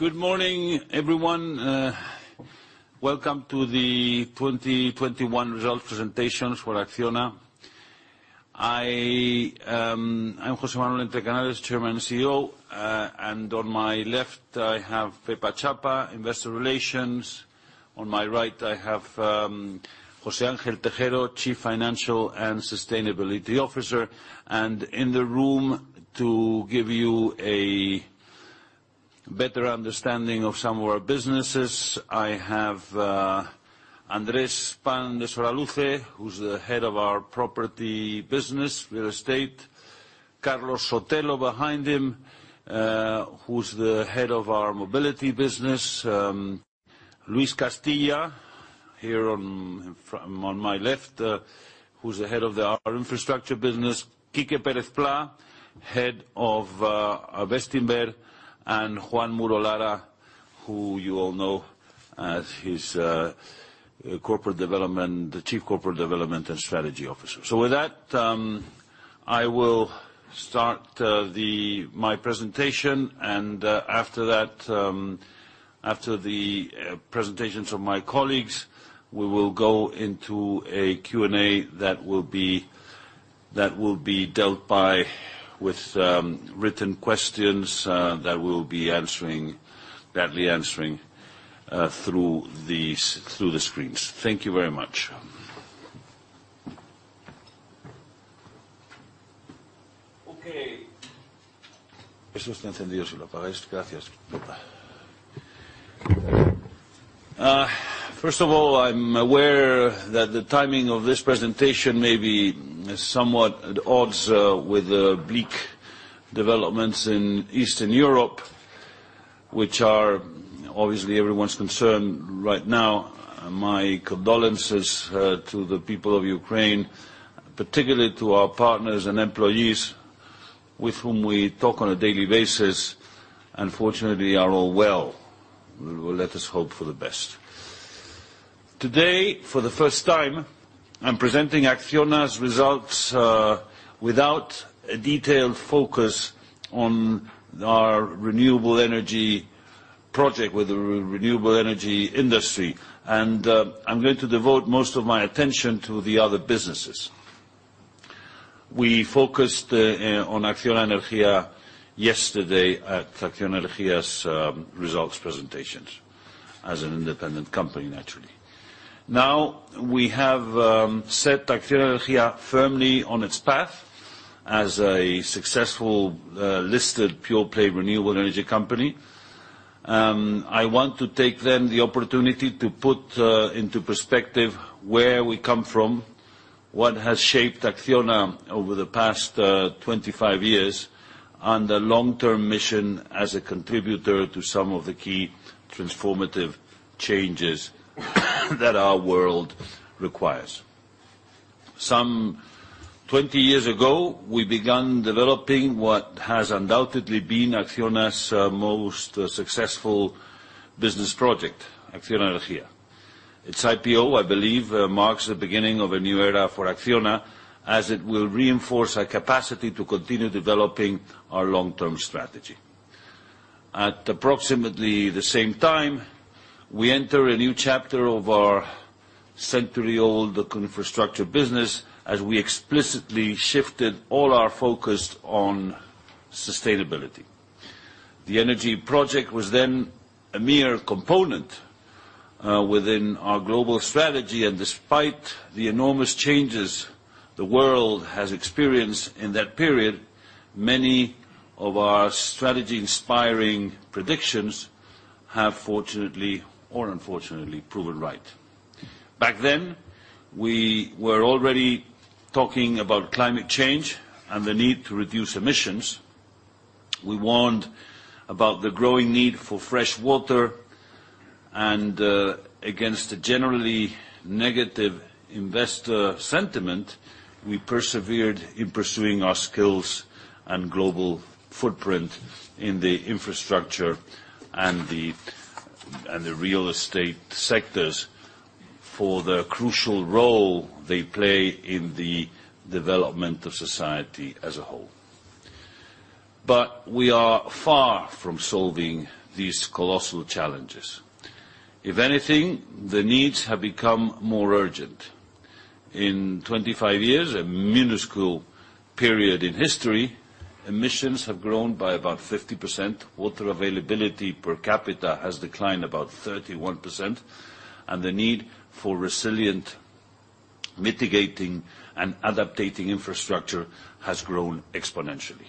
Good morning, everyone. Welcome to the 2021 results presentations for ACCIONA. I'm José Manuel Entrecanales, Chairman and CEO. On my left, I have Pepa Chapa, Investor Relations. On my right, I have José Ángel Tejero, Chief Financial and Sustainability Officer. In the room to give you a better understanding of some of our businesses, I have Andrés Pan de Soraluce, who's the head of our property business, real estate. Carlos Sotelo behind him, who's the head of our mobility business. Luis Castilla on my left, who's the head of our infrastructure business. Quique Pérez Plá, head of Bestinver. Juan Muro-Lara, who you all know as the Chief Corporate Development and Strategy Officer. With that, I will start my presentation and, after that, the presentations from my colleagues, we will go into a Q&A that will be dealt with written questions that we'll be answering gladly through the screens. Thank you very much. Okay. First of all, I'm aware that the timing of this presentation may be somewhat at odds with the bleak developments in Eastern Europe, which are obviously everyone's concern right now. My condolences to the people of Ukraine, particularly to our partners and employees with whom we talk on a daily basis and fortunately are all well. Let us hope for the best. Today, for the first time, I'm presenting ACCIONA's results without a detailed focus on our renewable energy project with the renewable energy industry. I'm going to devote most of my attention to the other businesses. We focused on ACCIONA Energía yesterday at ACCIONA Energía's results presentations as an independent company, naturally. Now, we have set ACCIONA Energía firmly on its path as a successful listed pure-play renewable energy company. I want to take the opportunity to put into perspective where we come from, what has shaped ACCIONA over the past 25 years, and the long-term mission as a contributor to some of the key transformative changes that our world requires. Some 20 years ago, we began developing what has undoubtedly been ACCIONA's most successful business project, ACCIONA Energía. Its IPO, I believe, marks the beginning of a new era for ACCIONA as it will reinforce our capacity to continue developing our long-term strategy. At approximately the same time, we enter a new chapter of our century-old infrastructure business as we explicitly shifted all our focus on sustainability. The energy project was then a mere component within our global strategy. Despite the enormous changes the world has experienced in that period, many of our strategy-inspiring predictions have fortunately or unfortunately proven right. Back then, we were already talking about climate change and the need to reduce emissions. We warned about the growing need for fresh water. Against a generally negative investor sentiment, we persevered in pursuing our skills and global footprint in the infrastructure and the real estate sectors for the crucial role they play in the development of society as a whole. We are far from solving these colossal challenges. If anything, the needs have become more urgent. In 25 years, a minuscule period in history, emissions have grown by about 50%, water availability per capita has declined about 31%, and the need for resilient mitigating and adapting infrastructure has grown exponentially.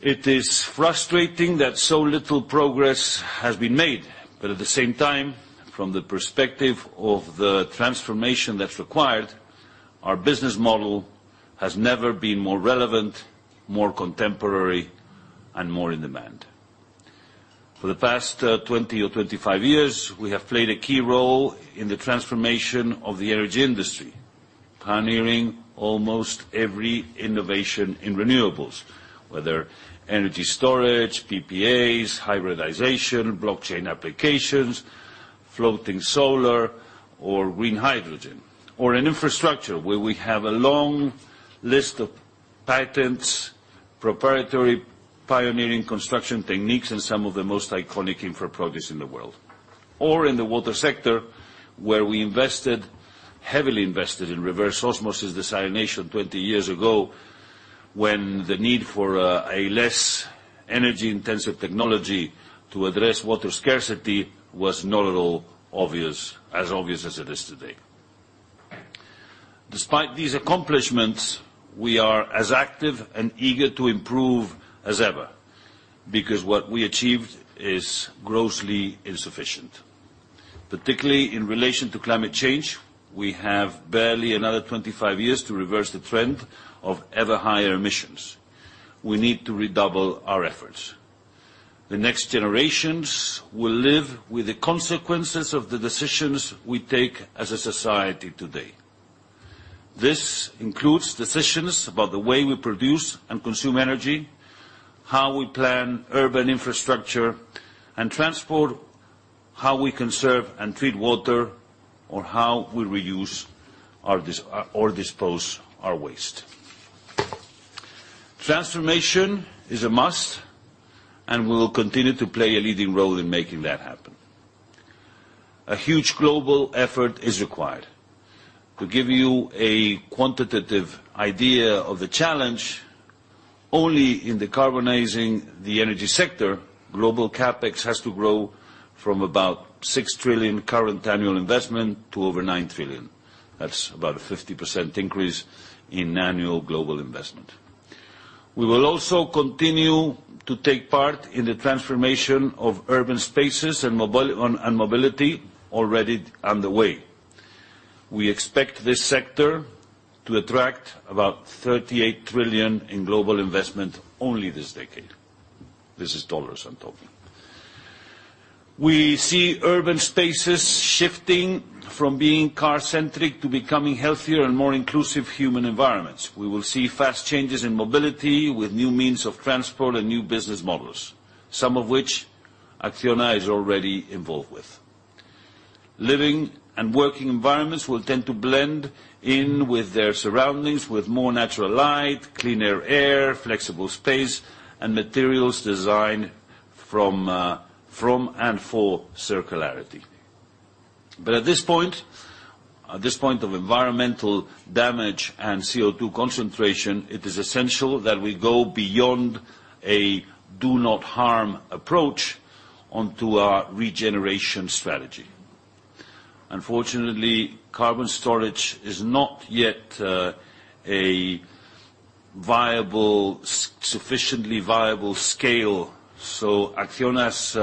It is frustrating that so little progress has been made, but at the same time, from the perspective of the transformation that's required, our business model has never been more relevant, more contemporary, and more in demand. For the past 20 or 25 years, we have played a key role in the transformation of the energy industry, pioneering almost every innovation in renewables, whether energy storage, PPAs, hybridization, blockchain applications, floating solar or green hydrogen. In infrastructure, where we have a long list of patents, proprietary pioneering construction techniques, and some of the most iconic infra projects in the world. In the water sector, where we invested, heavily invested in reverse osmosis desalination 20 years ago, when the need for a less energy-intensive technology to address water scarcity was not at all obvious, as obvious as it is today. Despite these accomplishments, we are as active and eager to improve as ever, because what we achieved is grossly insufficient. Particularly in relation to climate change, we have barely another 25 years to reverse the trend of ever higher emissions. We need to redouble our efforts. The next generations will live with the consequences of the decisions we take as a society today. This includes decisions about the way we produce and consume energy, how we plan urban infrastructure and transport, how we conserve and treat water, or how we reuse or dispose of our waste. Transformation is a must, and we will continue to play a leading role in making that happen. A huge global effort is required. To give you a quantitative idea of the challenge, only in decarbonizing the energy sector, global CapEx has to grow from about $6 trillion current annual investment to over $9 trillion. That's about a 50% increase in annual global investment. We will also continue to take part in the transformation of urban spaces and mobility already underway. We expect this sector to attract about $38 trillion in global investment only this decade. This is dollars I'm talking. We see urban spaces shifting from being car-centric to becoming healthier and more inclusive human environments. We will see fast changes in mobility with new means of transport and new business models, some of which ACCIONA is already involved with. Living and working environments will tend to blend in with their surroundings, with more natural light, cleaner air, flexible space, and materials designed from and for circularity. At this point of environmental damage and CO2 concentration, it is essential that we go beyond a do not harm approach onto a regeneration strategy. Unfortunately, carbon storage is not yet a sufficiently viable scale, so ACCIONA's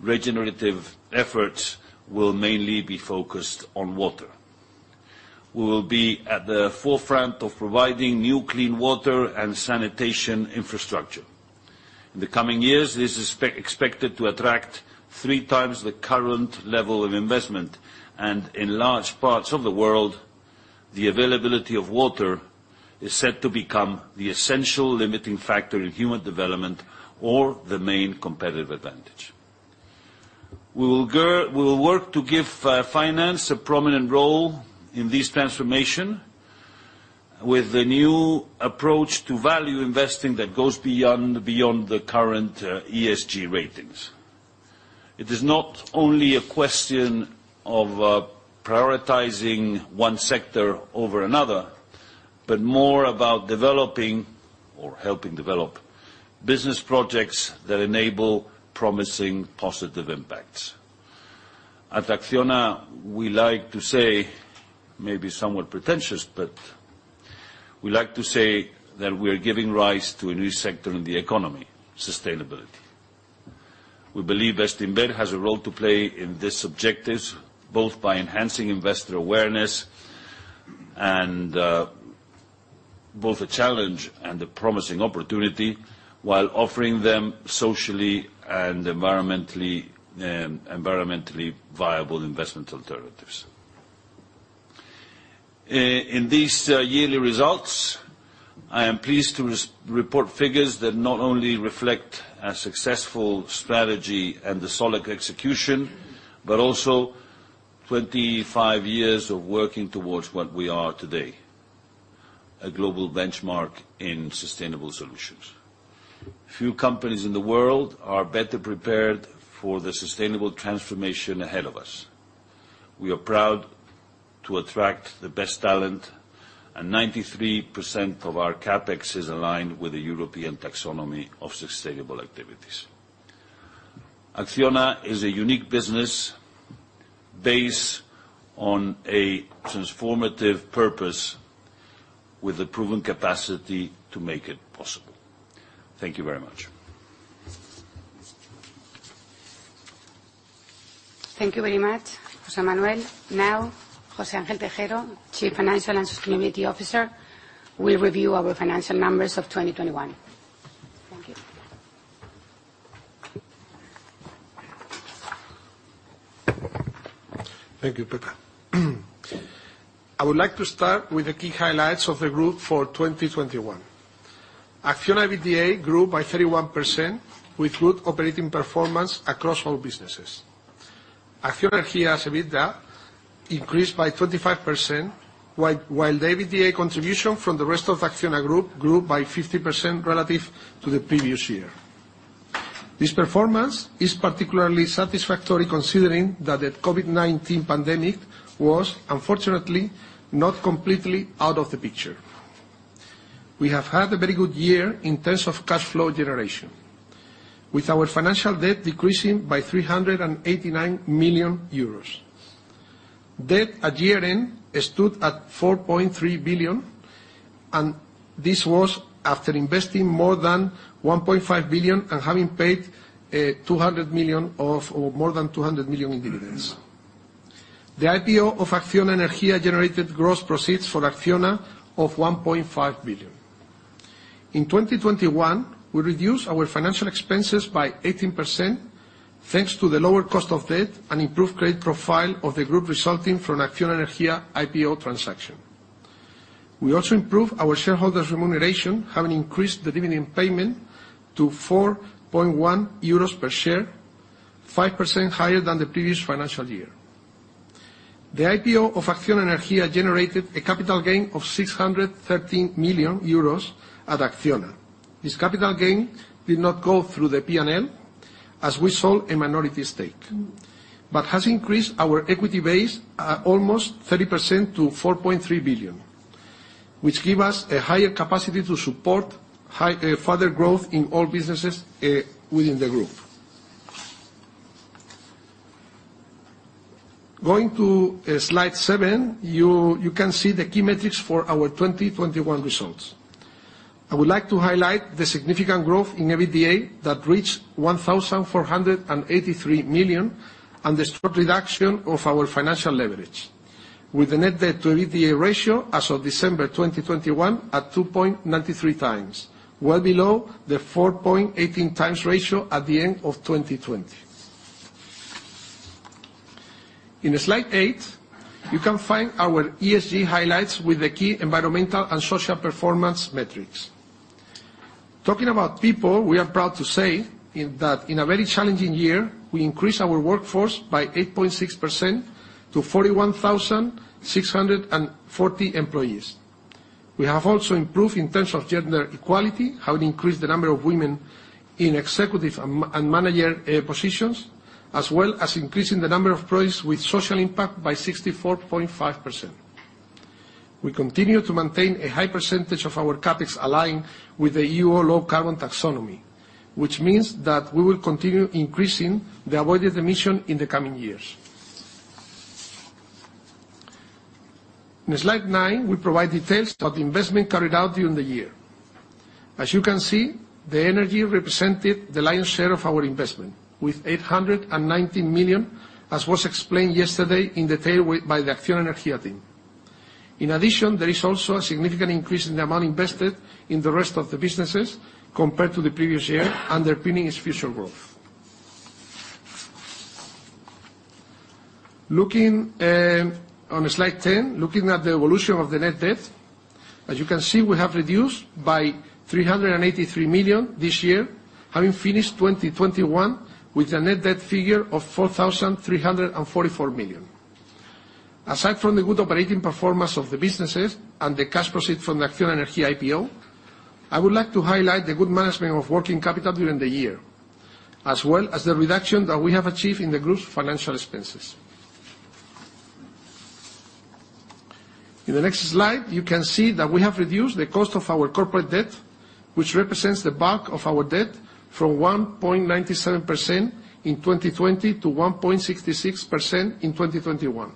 regenerative efforts will mainly be focused on water. We will be at the forefront of providing new clean water and sanitation infrastructure. In the coming years, this is expected to attract three times the current level of investment, and in large parts of the world, the availability of water is set to become the essential limiting factor in human development or the main competitive advantage. We will work to give finance a prominent role in this transformation with a new approach to value investing that goes beyond the current ESG ratings. It is not only a question of prioritizing one sector over another, but more about developing or helping develop business projects that enable promising positive impacts. At ACCIONA, we like to say, maybe somewhat pretentious, but we like to say that we're giving rise to a new sector in the economy, sustainability. We believe investing better has a role to play in this objectives, both by enhancing investor awareness and both a challenge and a promising opportunity while offering them socially and environmentally viable investment alternatives. In these yearly results, I am pleased to report figures that not only reflect a successful strategy and the solid execution, but also 25 years of working towards what we are today, a global benchmark in sustainable solutions. Few companies in the world are better prepared for the sustainable transformation ahead of us. We are proud to attract the best talent, and 93% of our CapEx is aligned with the EU Taxonomy for Sustainable Activities. ACCIONA is a unique business based on a transformative purpose with the proven capacity to make it possible. Thank you very much. Thank you very much, José Manuel. Now, José Ángel Tejero, Chief Financial and Sustainability Officer, will review our financial numbers of 2021. Thank you. Thank you, Petra. I would like to start with the key highlights of the group for 2021. Acciona EBITDA grew by 31% with good operating performance across all businesses. Acciona Energía's EBITDA increased by 25%, while the EBITDA contribution from the rest of the Acciona group grew by 50% relative to the previous year. This performance is particularly satisfactory considering that the COVID-19 pandemic was, unfortunately, not completely out of the picture. We have had a very good year in terms of cash flow generation, with our financial debt decreasing by 389 million euros. Debt at year-end stood at 4.3 billion, and this was after investing more than 1.5 billion and having paid or more than 200 million in dividends. The IPO of ACCIONA Energía generated gross proceeds for ACCIONA of 1.5 billion. In 2021, we reduced our financial expenses by 18% thanks to the lower cost of debt and improved credit profile of the group resulting from ACCIONA Energía IPO transaction. We also improved our shareholders' remuneration, having increased the dividend payment to 4.1 euros per share, 5% higher than the previous financial year. The IPO of ACCIONA Energía generated a capital gain of 613 million euros at ACCIONA. This capital gain did not go through the P&L, as we sold a minority stake, but has increased our equity base almost 30% to 4.3 billion, which give us a higher capacity to support high further growth in all businesses within the group. Going to slide seven, you can see the key metrics for our 2021 results. I would like to highlight the significant growth in EBITDA that reached 1,483 million, and the strong reduction of our financial leverage with the net debt to EBITDA ratio as of December 2021 at 2.93 times, well below the 4.18 times ratio at the end of 2020. In slide eight, you can find our ESG highlights with the key environmental and social performance metrics. Talking about people, we are proud to say that in a very challenging year, we increased our workforce by 8.6% to 41,640 employees. We have also improved in terms of gender equality, having increased the number of women in executive and manager positions, as well as increasing the number of employees with social impact by 64.5%. We continue to maintain a high percentage of our CapEx aligned with the EU low carbon taxonomy, which means that we will continue increasing the avoided emission in the coming years. In slide 9, we provide details of the investment carried out during the year. As you can see, the energy represented the lion's share of our investment, with 819 million, as was explained yesterday in detail by the ACCIONA Energía team. In addition, there is also a significant increase in the amount invested in the rest of the businesses compared to the previous year, underpinning its future growth. On slide 10, looking at the evolution of the net debt, as you can see, we have reduced by 383 million this year, having finished 2021 with a net debt figure of 4,344 million. Aside from the good operating performance of the businesses and the cash proceeds from the ACCIONA Energía IPO, I would like to highlight the good management of working capital during the year, as well as the reduction that we have achieved in the group's financial expenses. In the next slide, you can see that we have reduced the cost of our corporate debt, which represents the bulk of our debt, from 1.97% in 2020 to 1.66% in 2021,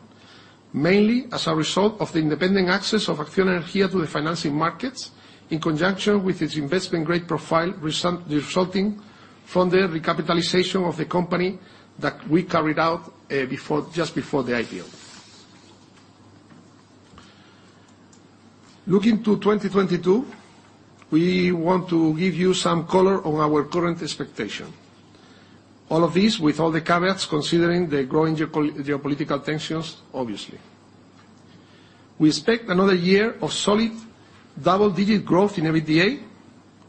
mainly as a result of the independent access of ACCIONA Energía to the financing markets in conjunction with its investment-grade profile resulting from the recapitalization of the company that we carried out before, just before the IPO. Looking to 2022, we want to give you some color on our current expectation. All of this with all the caveats, considering the growing geopolitical tensions, obviously. We expect another year of solid double-digit growth in EBITDA,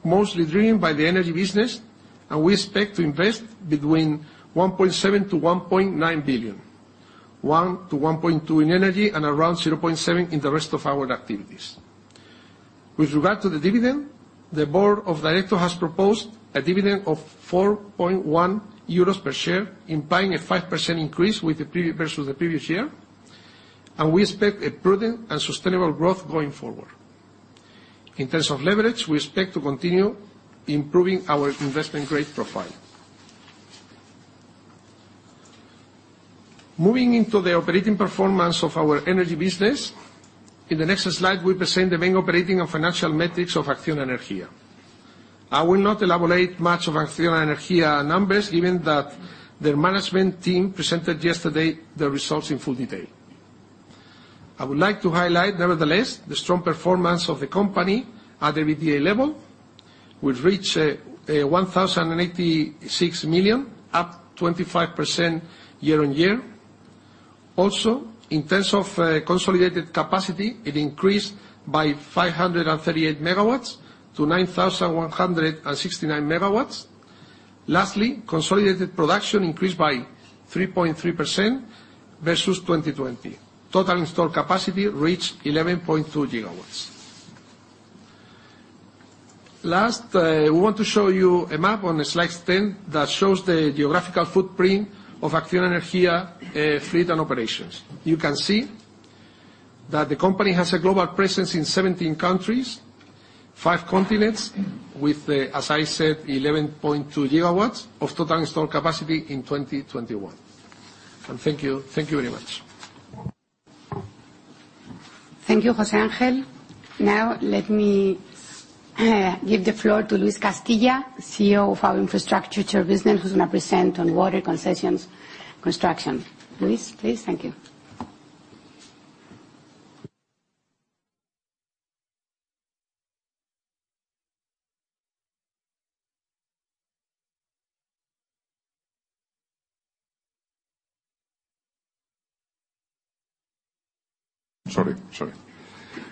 mostly driven by the energy business, and we expect to invest between 1.7 billion-1.9 billion, 1-1.2 billion in energy, and around 0.7 billion in the rest of our activities. With regard to the dividend, the board of directors has proposed a dividend of 4.1 euros per share, implying a 5% increase versus the previous year, and we expect a prudent and sustainable growth going forward. In terms of leverage, we expect to continue improving our investment-grade profile. Moving into the operating performance of our energy business, in the next slide, we present the main operating and financial metrics of ACCIONA Energía. I will not elaborate much of ACCIONA Energía numbers, given that their management team presented yesterday the results in full detail. I would like to highlight, nevertheless, the strong performance of the company at EBITDA level, which reached 1,086 million, up 25% year-on-year. Also, in terms of consolidated capacity, it increased by 538 MW to 9,169 MW. Lastly, consolidated production increased by 3.3% versus 2020. Total installed capacity reached 11.2 GW. Last, we want to show you a map on slide 10 that shows the geographical footprint of ACCIONA Energía fleet and operations. You can see that the company has a global presence in 17 countries, five continents, with, as I said, 11.2 GW of total installed capacity in 2021. Thank you. Thank you very much. Thank you, José Ángel. Now let me give the floor to Luis Castilla, CEO of our infrastructure service business, who's going to present on water concessions construction. Luis, please. Thank you.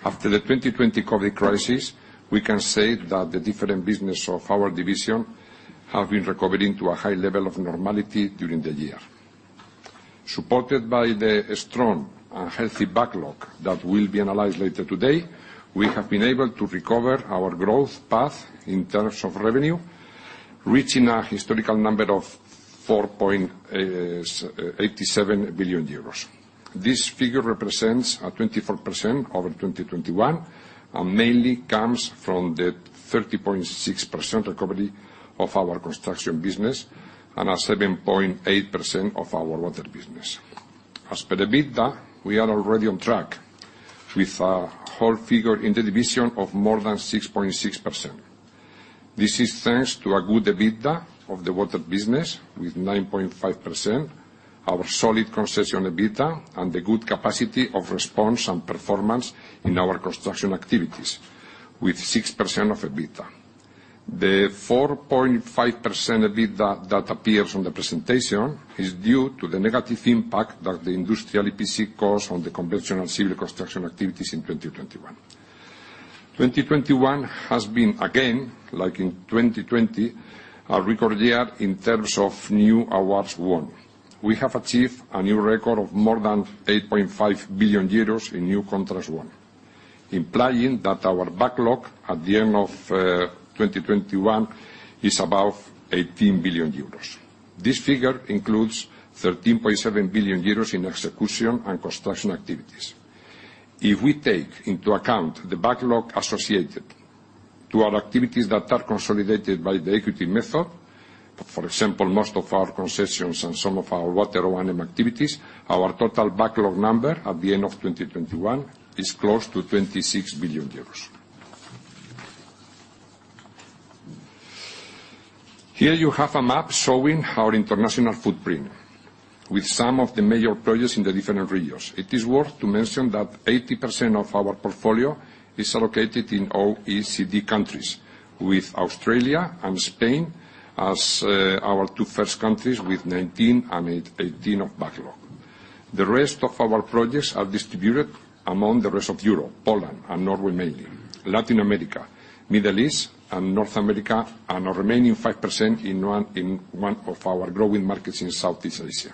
Sorry. After the 2020 COVID crisis, we can say that the different business of our division have been recovering to a high level of normality during the year. Supported by the strong and healthy backlog that will be analyzed later today, we have been able to recover our growth path in terms of revenue, reaching a historical number of 4.87 billion euros. This figure represents a 24% over 2021, and mainly comes from the 30.6% recovery of our construction business and a 7.8% of our water business. As for the EBITDA, we are already on track with a whole figure in the division of more than 6.6%. This is thanks to a good EBITDA of the water business with 9.5%, our solid concession EBITDA, and the good capacity of response and performance in our construction activities with 6% of EBITDA. The 4.5% EBITDA that appears on the presentation is due to the negative impact that the industrial EPC costs on the conventional civil construction activities in 2021. 2021 has been, again, like in 2020, a record year in terms of new awards won. We have achieved a new record of more than 8.5 billion euros in new contracts won, implying that our backlog at the end of 2021 is above 18 billion euros. This figure includes 13.7 billion euros in execution and construction activities. If we take into account the backlog associated to our activities that are consolidated by the equity method, for example, most of our concessions and some of our water O&M activities, our total backlog number at the end of 2021 is close to 26 billion euros. Here you have a map showing our international footprint with some of the major projects in the different regions. It is worth to mention that 80% of our portfolio is allocated in OECD countries, with Australia and Spain as our two first countries with 19 and 18 of backlog. The rest of our projects are distributed among the rest of Europe, Poland and Norway mainly, Latin America, Middle East, and North America, and a remaining 5% in one of our growing markets in Southeast Asia.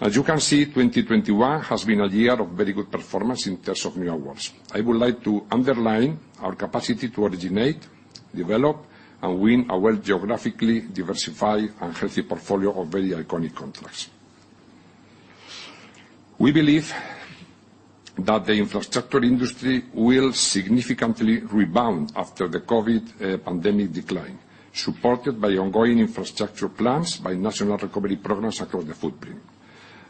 As you can see, 2021 has been a year of very good performance in terms of new awards. I would like to underline our capacity to originate, develop, and win a well geographically diversified and healthy portfolio of very iconic contracts. We believe that the infrastructure industry will significantly rebound after the COVID pandemic decline, supported by ongoing infrastructure plans by national recovery programs across the footprint.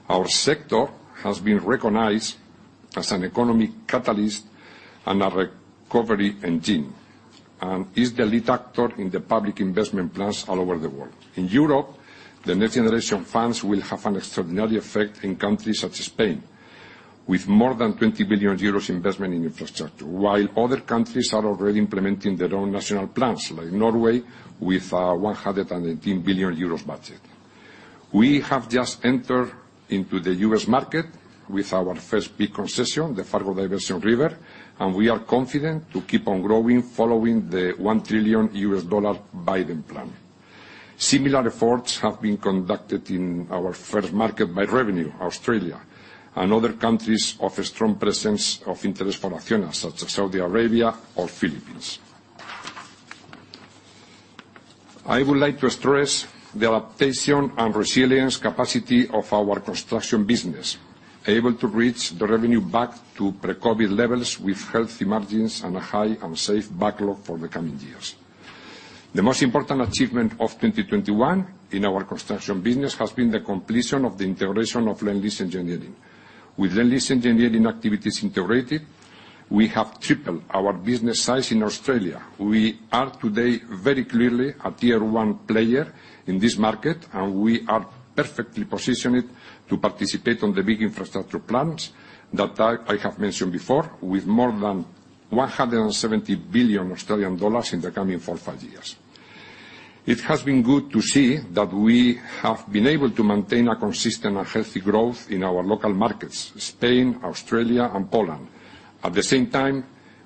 Our sector has been recognized as an economy catalyst and a recovery engine, and is the lead actor in the public investment plans all over the world. In Europe, the NextGenerationEU funds will have an extraordinary effect in countries such as Spain, with more than 20 billion euros investment in infrastructure, while other countries are already implementing their own national plans, like Norway, with a 118 billion euros budget. We have just entered into the U.S. market with our first big concession, the Fargo-Moorhead River Flood Diversion Channel, and we are confident to keep on growing following the $1 trillion U.S. dollar Biden plan. Similar efforts have been conducted in our first market by revenue, Australia, and other countries of a strong presence of interest for ACCIONA, such as Saudi Arabia or Philippines. I would like to stress the adaptation and resilience capacity of our construction business, able to reach the revenue back to pre-COVID levels with healthy margins and a high and safe backlog for the coming years. The most important achievement of 2021 in our construction business has been the completion of the integration of Lendlease Engineering. With Lendlease Engineering activities integrated, we have tripled our business size in Australia. We are today very clearly a tier one player in this market, and we are perfectly positioned to participate on the big infrastructure plans that I have mentioned before, with more than 170 billion Australian dollars in the coming 4-5 years. It has been good to see that we have been able to maintain a consistent and healthy growth in our local markets, Spain, Australia, and Poland. At the same time,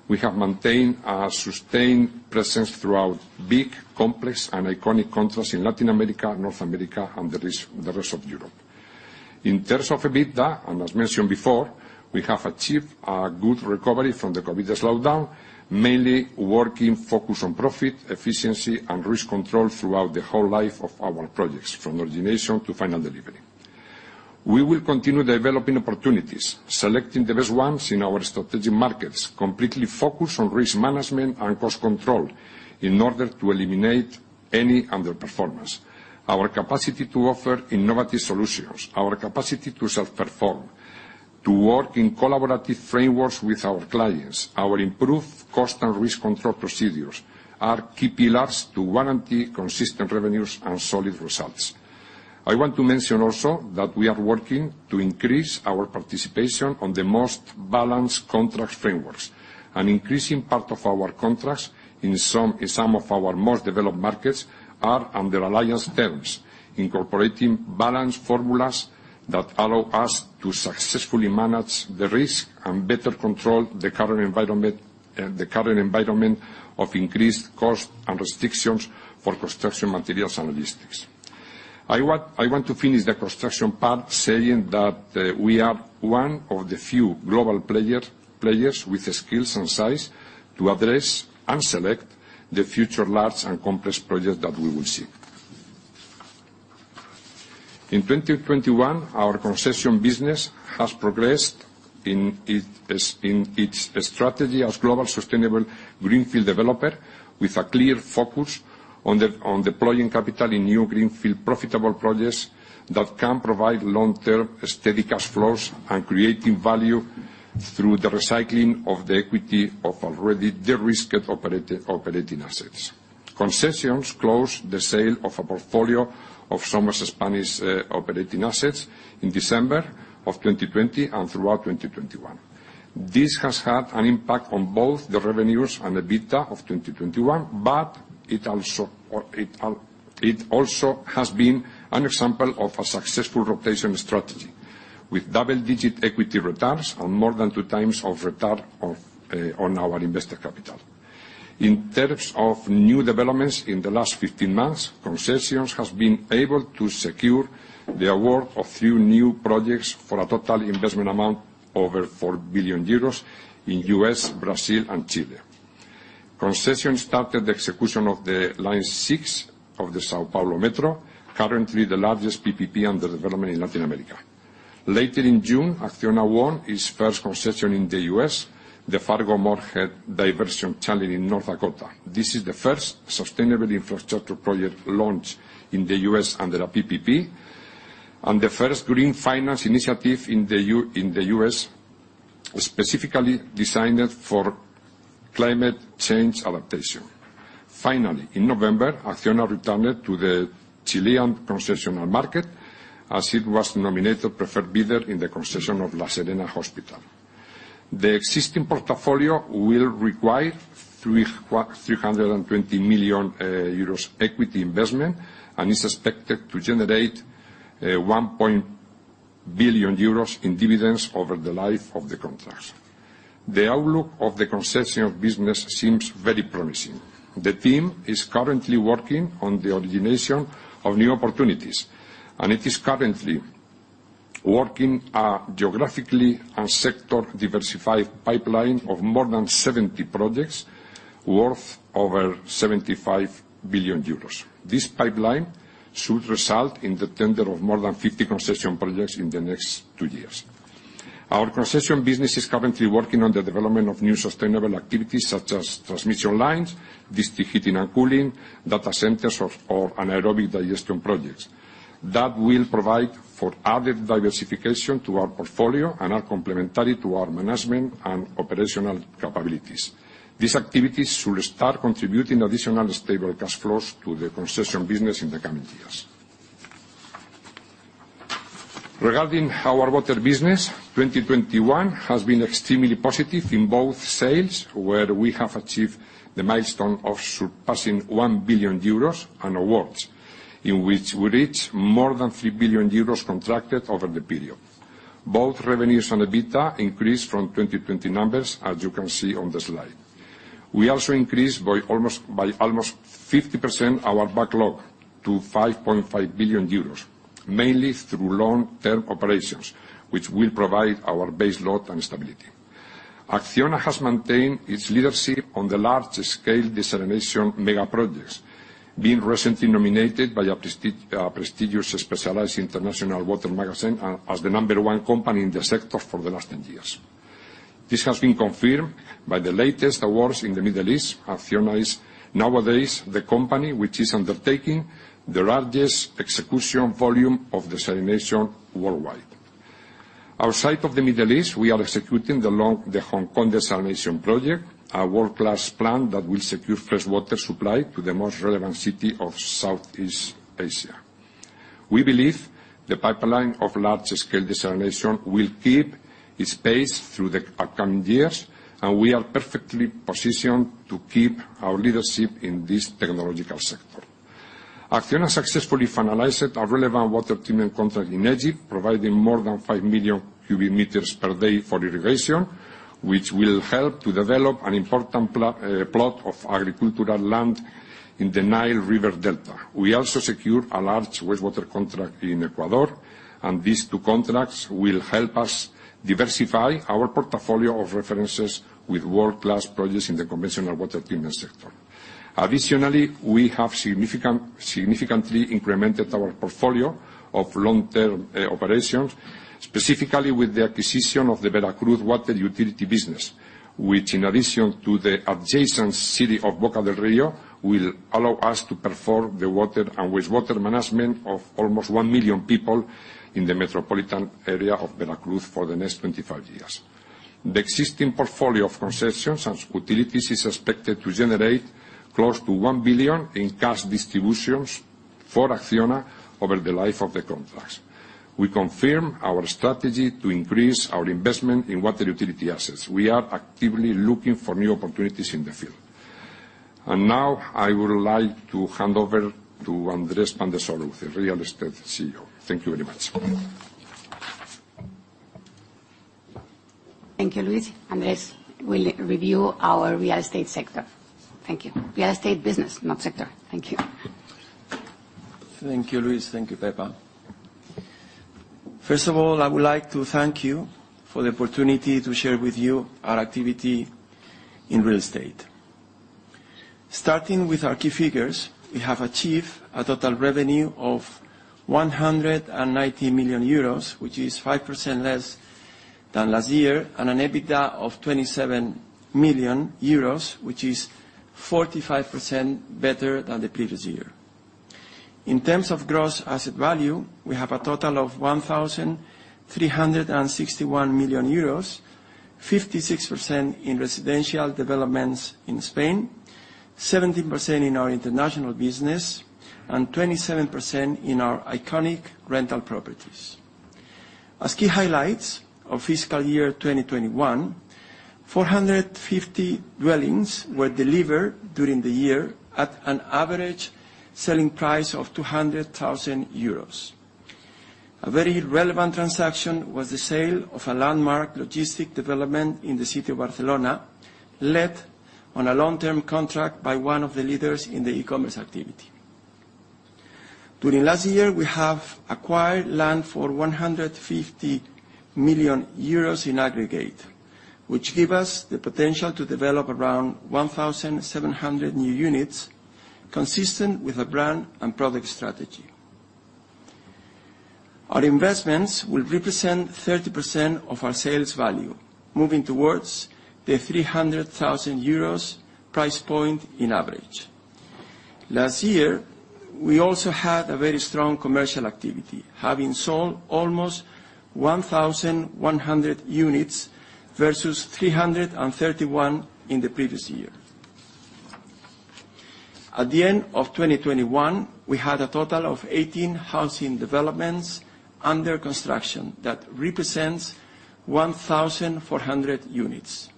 we have maintained a sustained presence throughout big, complex, and iconic countries in Latin America, North America, and the rest of Europe. In terms of EBITDA, and as mentioned before, we have achieved a good recovery from the COVID slowdown, mainly working focused on profit, efficiency, and risk control throughout the whole life of our projects, from origination to final delivery. We will continue developing opportunities, selecting the best ones in our strategic markets, completely focused on risk management and cost control in order to eliminate any underperformance. Our capacity to offer innovative solutions, our capacity to self-perform, to work in collaborative frameworks with our clients, our improved cost and risk control procedures are key pillars to warrant consistent revenues and solid results. I want to mention also that we are working to increase our participation on the most balanced contract frameworks. An increasing part of our contracts in some of our most developed markets are under alliance terms, incorporating balanced formulas that allow us to successfully manage the risk and better control the current environment of increased costs and restrictions for construction materials and logistics. I want to finish the construction part saying that we are one of the few global players with the skills and size to address and select the future large and complex projects that we will see. In 2021, our concession business has progressed in its strategy as global sustainable greenfield developer with a clear focus on deploying capital in new greenfield profitable projects that can provide long-term, steady cash flows and creating value through the recycling of the equity of already derisked operating assets. Concessions closed the sale of a portfolio of some Spanish operating assets in December of 2020 and throughout 2021. This has had an impact on both the revenues and EBITDA of 2021, but it also has been an example of a successful rotation strategy, with double-digit equity returns, more than two times return on our invested capital. In terms of new developments in the last 15 months, Concessions has been able to secure the award of few new projects for a total investment amount over 4 billion euros in U.S., Brazil, and Chile. Concessions started the execution of Line 6 of the São Paulo Metro, currently the largest PPP under development in Latin America. Later in June, ACCIONA won its first concession in the U.S., the Fargo-Moorhead River Flood Diversion Channel in North Dakota. This is the first sustainable infrastructure project launched in the U.S. under a PPP and the first green finance initiative in the U.S. specifically designed for climate change adaptation. Finally, in November, ACCIONA returned to the Chilean concessional market as it was nominated preferred bidder in the concession of La Serena Hospital. The existing portfolio will require 300 million euros equity investment and is expected to generate 1 billion euros in dividends over the life of the contracts. The outlook of the concessional business seems very promising. The team is currently working on the origination of new opportunities, and it is currently working on a geographically and sector diversified pipeline of more than 70 projects worth over 75 billion euros. This pipeline should result in the tender of more than 50 concession projects in the next two years. Our concession business is currently working on the development of new sustainable activities such as transmission lines, district heating and cooling, data centers or anaerobic digestion projects. That will provide for added diversification to our portfolio and are complementary to our management and operational capabilities. These activities should start contributing additional stable cash flows to the concession business in the coming years. Regarding our water business, 2021 has been extremely positive in both sales, where we have achieved the milestone of surpassing 1 billion euros, and awards, in which we reached more than 3 billion euros contracted over the period. Both revenues and EBITDA increased from 2020 numbers, as you can see on the slide. We also increased by almost 50% our backlog to 5.5 billion euros, mainly through long-term operations, which will provide our baseload and stability. ACCIONA has maintained its leadership on the large-scale desalination mega projects, being recently nominated by a prestigious specialized international water magazine as the number one company in the sector for the last 10 years. This has been confirmed by the latest awards in the Middle East. ACCIONA is nowadays the company which is undertaking the largest execution volume of desalination worldwide. Outside of the Middle East, we are executing the Hong Kong desalination project, a world-class plan that will secure fresh water supply to the most relevant city of Southeast Asia. We believe the pipeline of large-scale desalination will keep its pace through the upcoming years, and we are perfectly positioned to keep our leadership in this technological sector. ACCIONA successfully finalized a relevant water treatment contract in Egypt, providing more than 5 million cubic meters per day for irrigation, which will help to develop an important plot of agricultural land in the Nile River delta. We also secured a large wastewater contract in Ecuador, and these two contracts will help us diversify our portfolio of references with world-class projects in the conventional water treatment sector. Additionally, we have significantly incremented our portfolio of long-term operations, specifically with the acquisition of the Veracruz water utility business, which in addition to the adjacent city of Boca del Río, will allow us to perform the water and wastewater management of almost 1 million people in the metropolitan area of Veracruz for the next 25 years. The existing portfolio of concessions and utilities is expected to generate close to 1 billion in cash distributions for ACCIONA over the life of the contracts. We confirm our strategy to increase our investment in water utility assets. We are actively looking for new opportunities in the field. Now I would like to hand over to Andrés Pan de Soraluce, Real Estate CEO. Thank you very much. Thank you, Luis. Andrés will review our real estate sector. Thank you. Real estate business, not sector. Thank you. Thank you, Luis. Thank you, Pepa. First of all, I would like to thank you for the opportunity to share with you our activity in real estate. Starting with our key figures, we have achieved a total revenue of 190 million euros, which is 5% less than last year, and an EBITDA of 27 million euros, which is 45% better than the previous year. In terms of gross asset value, we have a total of 1,361 million euros, 56% in residential developments in Spain, 17% in our international business, and 27% in our iconic rental properties. As key highlights of fiscal year 2021, 450 dwellings were delivered during the year at an average selling price of 200,000 euros. A very relevant transaction was the sale of a landmark logistic development in the city of Barcelona, led on a long-term contract by one of the leaders in the e-commerce activity. During last year, we have acquired land for 150 million euros in aggregate, which give us the potential to develop around 1,700 new units consistent with our brand and product strategy. Our investments will represent 30% of our sales value, moving towards the 300,000 euros price point in average. Last year, we also had a very strong commercial activity, having sold almost 1,100 units versus 331 in the previous year. At the end of 2021, we had a total of 18 housing developments under construction that represents 1,400 units.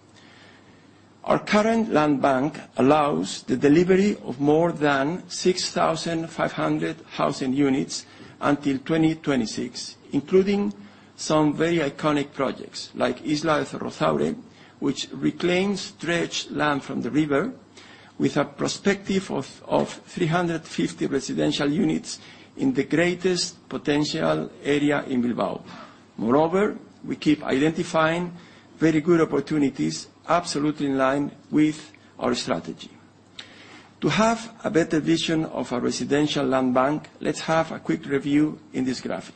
Our current land bank allows the delivery of more than 6,500 housing units until 2026, including some very iconic projects like Isla de Zorrotzaurre, which reclaimed stretched land from the river with a prospective of 350 residential units in the greatest potential area in Bilbao. Moreover, we keep identifying very good opportunities absolutely in line with our strategy. To have a better vision of our residential land bank, let's have a quick review in this graphic.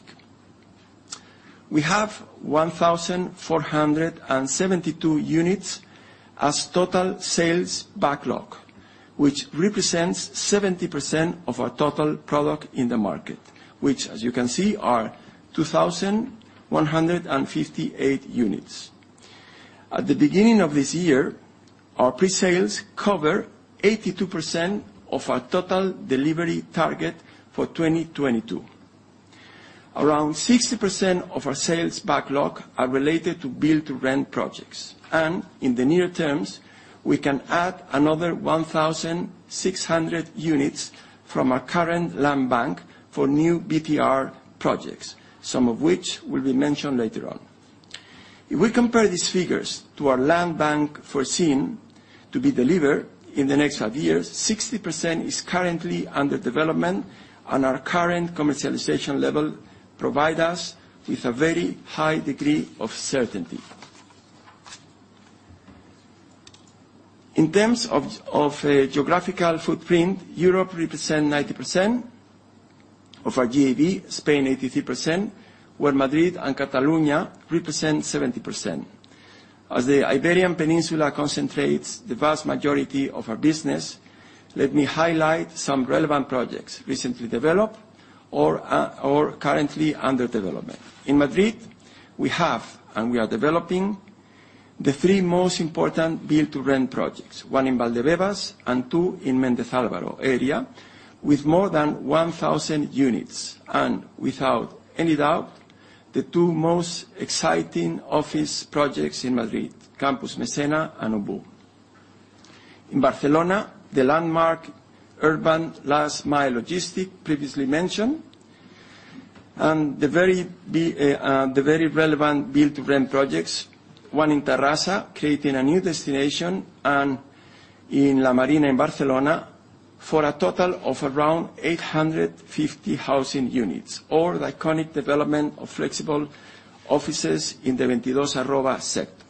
We have 1,472 units as total sales backlog, which represents 70% of our total product in the market, which as you can see, are 2,158 units. At the beginning of this year, our presales cover 82% of our total delivery target for 2022. Around 60% of our sales backlog are related to build to rent projects. In the near terms, we can add another 1,600 units from our current land bank for new BTR projects, some of which will be mentioned later on. If we compare these figures to our land bank foreseen to be delivered in the next five years, 60% is currently under development, and our current commercialization level provide us with a very high degree of certainty. In terms of geographical footprint, Europe represent 90% of our GAV, Spain 83%, where Madrid and Catalonia represent 70%. As the Iberian Peninsula concentrates the vast majority of our business, let me highlight some relevant projects recently developed or currently under development. In Madrid, we have, and we are developing the three most important build-to-rent projects, one in Valdebebas and two in Mendez Alvaro area, with more than 1,000 units. Without any doubt, the two most exciting office projects in Madrid, Campus Mecena and H2O. In Barcelona, the landmark urban last mile logistic previously mentioned, and the very relevant build-to-rent projects, one in Terrassa, creating a new destination, and in La Marina in Barcelona, for a total of around 850 housing units or the iconic development of flexible offices in the Ventidos Arroba sector.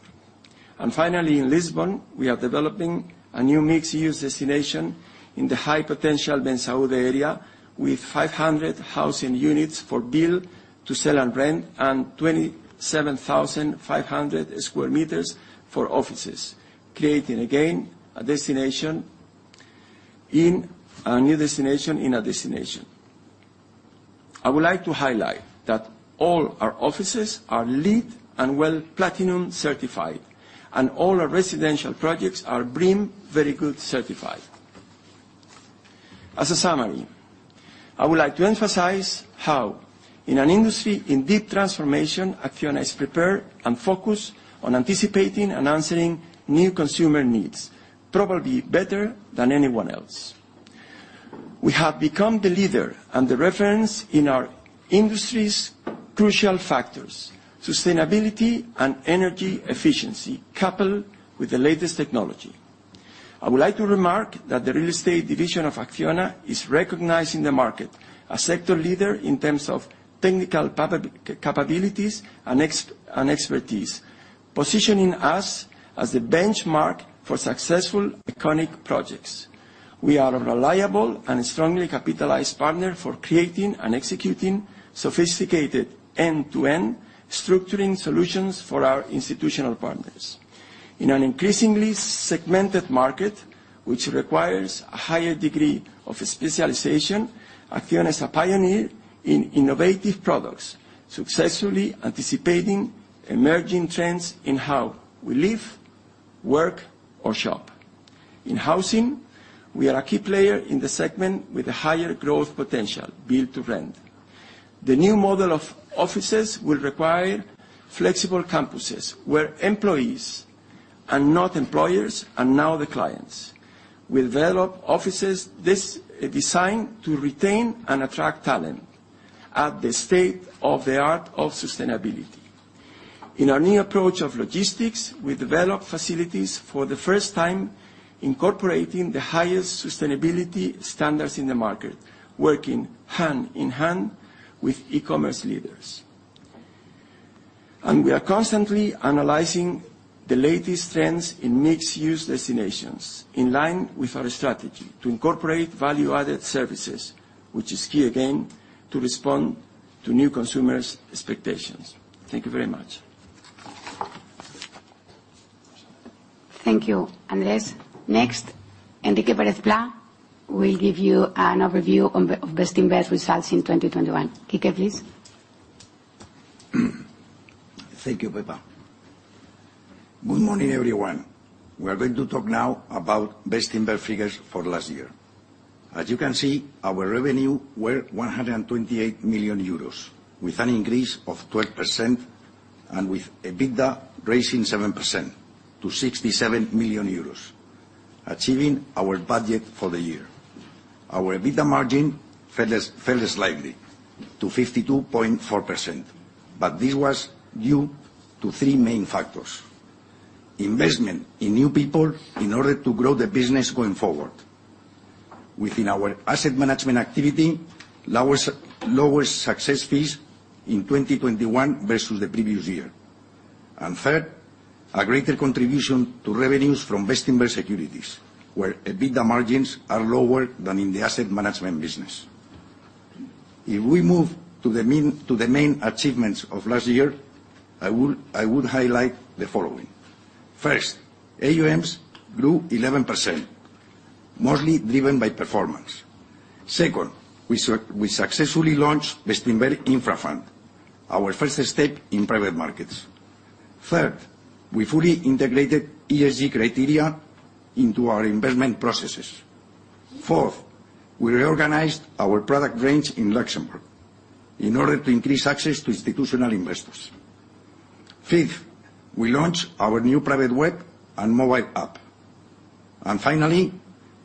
Finally, in Lisbon, we are developing a new mixed-use destination in the high potential Benzaude area, with 500 housing units for build, to sell and rent, and 27,500 sq m for offices, creating again a destination, a new destination in a destination. I would like to highlight that all our offices are LEED and WELL Platinum certified, and all our residential projects are BREEAM Very Good certified. As a summary, I would like to emphasize how, in an industry in deep transformation, ACCIONA is prepared and focused on anticipating and answering new consumer needs, probably better than anyone else. We have become the leader and the reference in our industry's crucial factors, sustainability and energy efficiency, coupled with the latest technology. I would like to remark that the real estate division of ACCIONA is recognized in the market, a sector leader in terms of technical capabilities and expertise, positioning us as the benchmark for successful iconic projects. We are a reliable and strongly capitalized partner for creating and executing sophisticated end-to-end structuring solutions for our institutional partners. In an increasingly segmented market, which requires a higher degree of specialization, ACCIONA is a pioneer in innovative products, successfully anticipating emerging trends in how we live, work, or shop. In housing, we are a key player in the segment with a higher growth potential, build-to-rent. The new model of offices will require flexible campuses where employees, and not employers, are now the clients. We develop offices thus designed to retain and attract talent at the state-of-the-art of sustainability. In our new approach of logistics, we develop facilities for the first time incorporating the highest sustainability standards in the market, working hand-in-hand with e-commerce leaders. We are constantly analyzing the latest trends in mixed-use destinations, in line with our strategy to incorporate value-added services, which is key again to respond to new consumers' expectations. Thank you very much. Thank you, Andrés. Next, Enrique Pérez-Plá will give you an overview of Bestinver results in 2021. Quique, please. Thank you, Pepa. Good morning, everyone. We are going to talk now about Bestinver figures for last year. As you can see, our revenue were 128 million euros, with an increase of 12%, and with EBITDA rising 7% to 67 million euros, achieving our budget for the year. Our EBITDA margin fell slightly to 52.4%, but this was due to three main factors. Investment in new people in order to grow the business going forward. Within our asset management activity, lower success fees in 2021 versus the previous year. Third, a greater contribution to revenues from Bestinver Securities, where EBITDA margins are lower than in the asset management business. If we move to the main achievements of last year, I would highlight the following. First, AUMs grew 11%, mostly driven by performance. Second, we successfully launched Bestinver Infra, our first step in private markets. Third, we fully integrated ESG criteria into our investment processes. Fourth, we reorganized our product range in Luxembourg in order to increase access to institutional investors. Fifth, we launched our new private web and mobile app. Finally,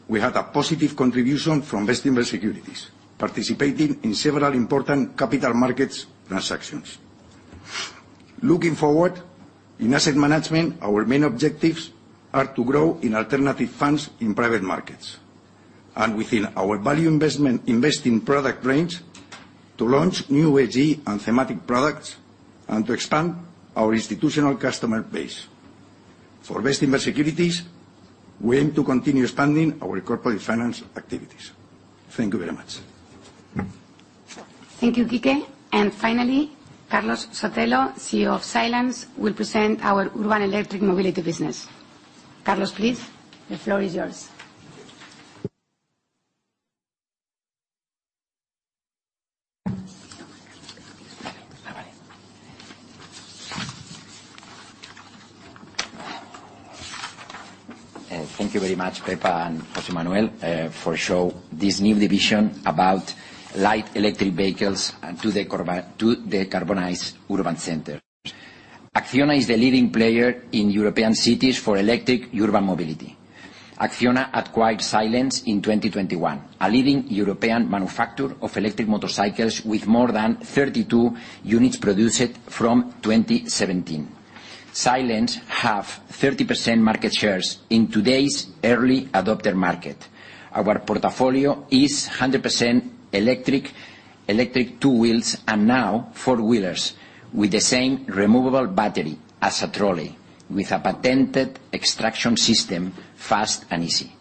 we had a positive contribution from Bestinver Securities, participating in several important capital markets transactions. Looking forward, in asset management, our main objectives are to grow in alternative funds in private markets. Within our value investment investing product range, to launch new ESG and thematic products and to expand our institutional customer base. For Bestinver Securities, we aim to continue expanding our corporate finance activities. Thank you very much. Thank you, Quique. Finally, Carlos Sotelo, CEO of Silence, will present our urban electric mobility business. Carlos, please, the floor is yours. Thank you very much, Pepa and José Manuel, for showing this new division about light electric vehicles to decarbonize urban centers. ACCIONA is the leading player in European cities for electric urban mobility. ACCIONA acquired Silence in 2021, a leading European manufacturer of electric motorcycles with more than 32,000 units produced from 2017. Silence has 30% market share in today's early adopter market. Our portfolio is 100% electric two wheels and now four wheelers with the same removable battery as a service, with a patented extraction system, fast and easy.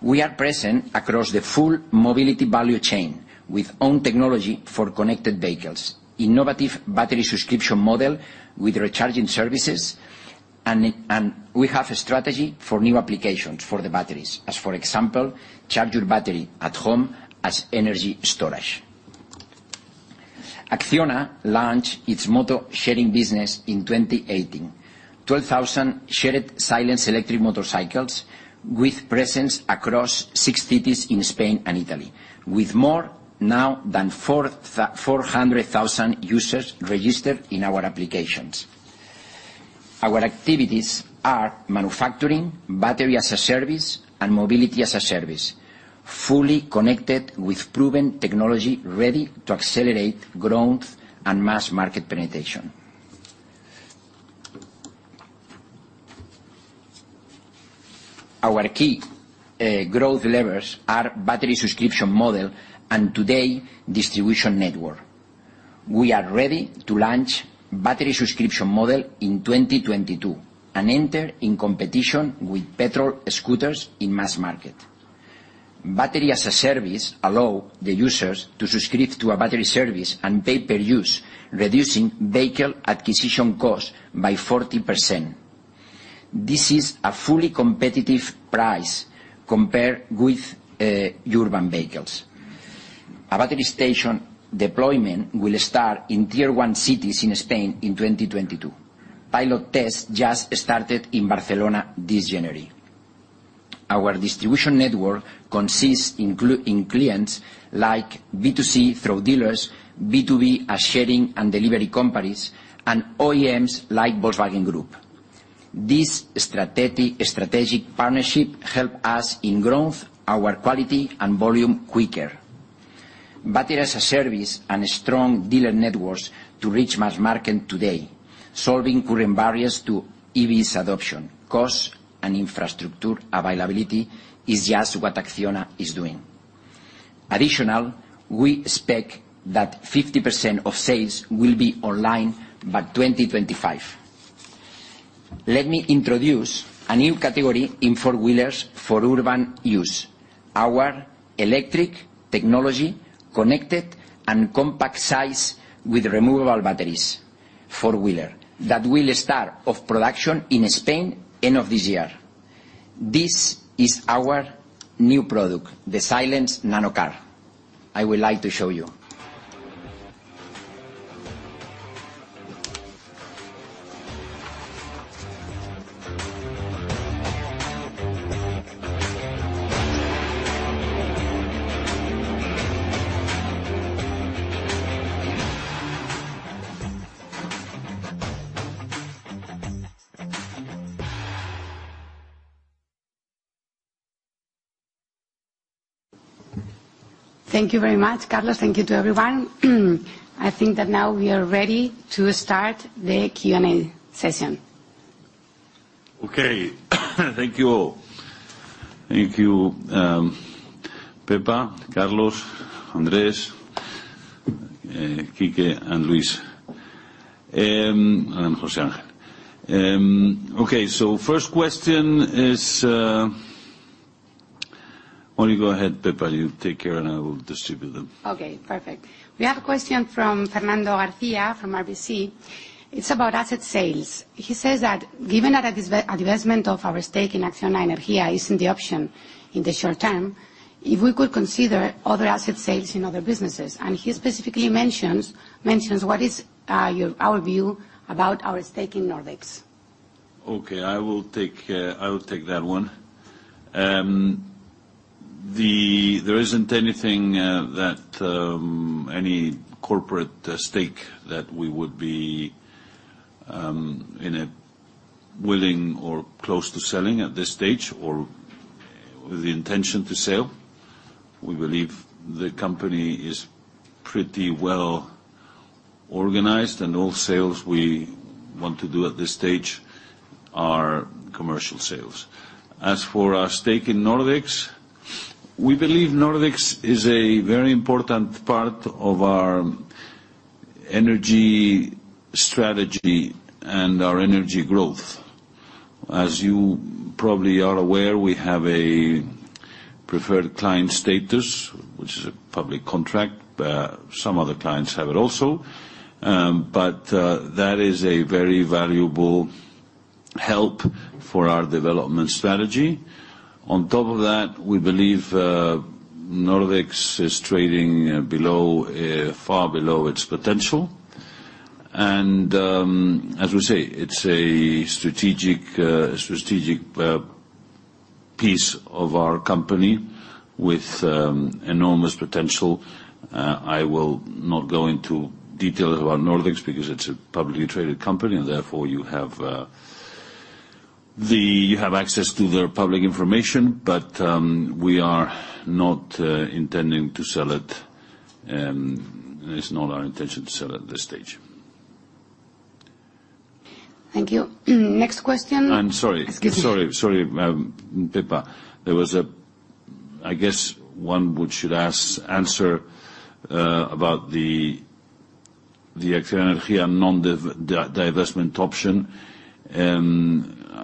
We are present across the full mobility value chain with our own technology for connected vehicles, innovative battery subscription model with recharging services, and we have a strategy for new applications for the batteries. For example, charge your battery at home as energy storage. ACCIONA launched its moto sharing business in 2018. 12,000 shared Silence electric motorcycles with presence across 6 cities in Spain and Italy, with more than 400,000 users registered in our applications. Our activities are manufacturing, Battery as a Service, and Mobility as a Service, fully connected with proven technology ready to accelerate growth and mass market penetration. Our key growth levers are battery subscription model and today distribution network. We are ready to launch battery subscription model in 2022 and enter in competition with petrol scooters in mass market. Battery as a Service allow the users to subscribe to a battery service and pay per use, reducing vehicle acquisition cost by 40%. This is a fully competitive price compared with urban vehicles. A battery station deployment will start in tier-one cities in Spain in 2022. Pilot test just started in Barcelona this January. Our distribution network consists of clients like B2C through dealers, B2B as sharing and delivery companies, and OEMs like Volkswagen Group. This strategic partnership helps us grow our quality and volume quicker. Battery as a Service and strong dealer networks to reach mass market today, solving current barriers to EVs adoption, cost and infrastructure availability, is just what ACCIONA is doing. Additionally, we expect that 50% of sales will be online by 2025. Let me introduce a new category in four wheelers for urban use. Our electric technology, connected and compact size with removable batteries. Four wheeler that will start production in Spain end of this year. This is our new product, the Silence NanoCar. I would like to show you. Thank you very much, Carlos. Thank you to everyone. I think that now we are ready to start the Q&A session. Okay. Thank you all. Thank you, Pepa, Carlos, Andrés, Quique, and Luis, and José Ángel. First question is... Why don't you go ahead, Pepa? You take care, and I will distribute them. Okay, perfect. We have a question from Fernando García from RBC. It's about asset sales. He says that given that a divestment of our stake in ACCIONA Energía isn't the option in the short term, if we could consider other asset sales in other businesses. He specifically mentions what is our view about our stake in Nordex. Okay, I will take that one. There isn't any corporate stake that we would be willing or close to selling at this stage or with the intention to sell. We believe the company is pretty well organized and all sales we want to do at this stage are commercial sales. As for our stake in Nordex, we believe Nordex is a very important part of our energy strategy and our energy growth. As you probably are aware, we have a preferred client status, which is a public contract, some other clients have it also. That is a very valuable help for our development strategy. On top of that, we believe Nordex is trading far below its potential. As we say, it's a strategic piece of our company with enormous potential. I will not go into details about Nordex because it's a publicly traded company, and therefore you have access to their public information. We are not intending to sell it. It's not our intention to sell at this stage. Thank you. Next question. I'm sorry. Excuse me. Sorry, Pippa. I guess one should answer about the ACCIONA Energía non-divestment option.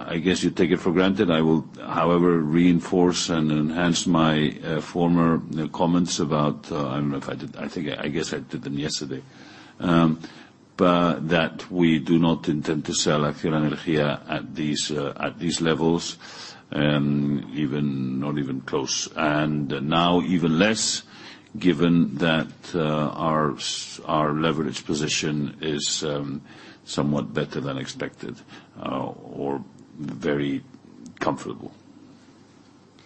I guess you take it for granted. I will, however, reinforce and enhance my former comments about. I don't know if I did. I think I guess I did them yesterday. That we do not intend to sell ACCIONA Energía at these levels, and not even close. Now even less, given that our leverage position is somewhat better than expected or very comfortable.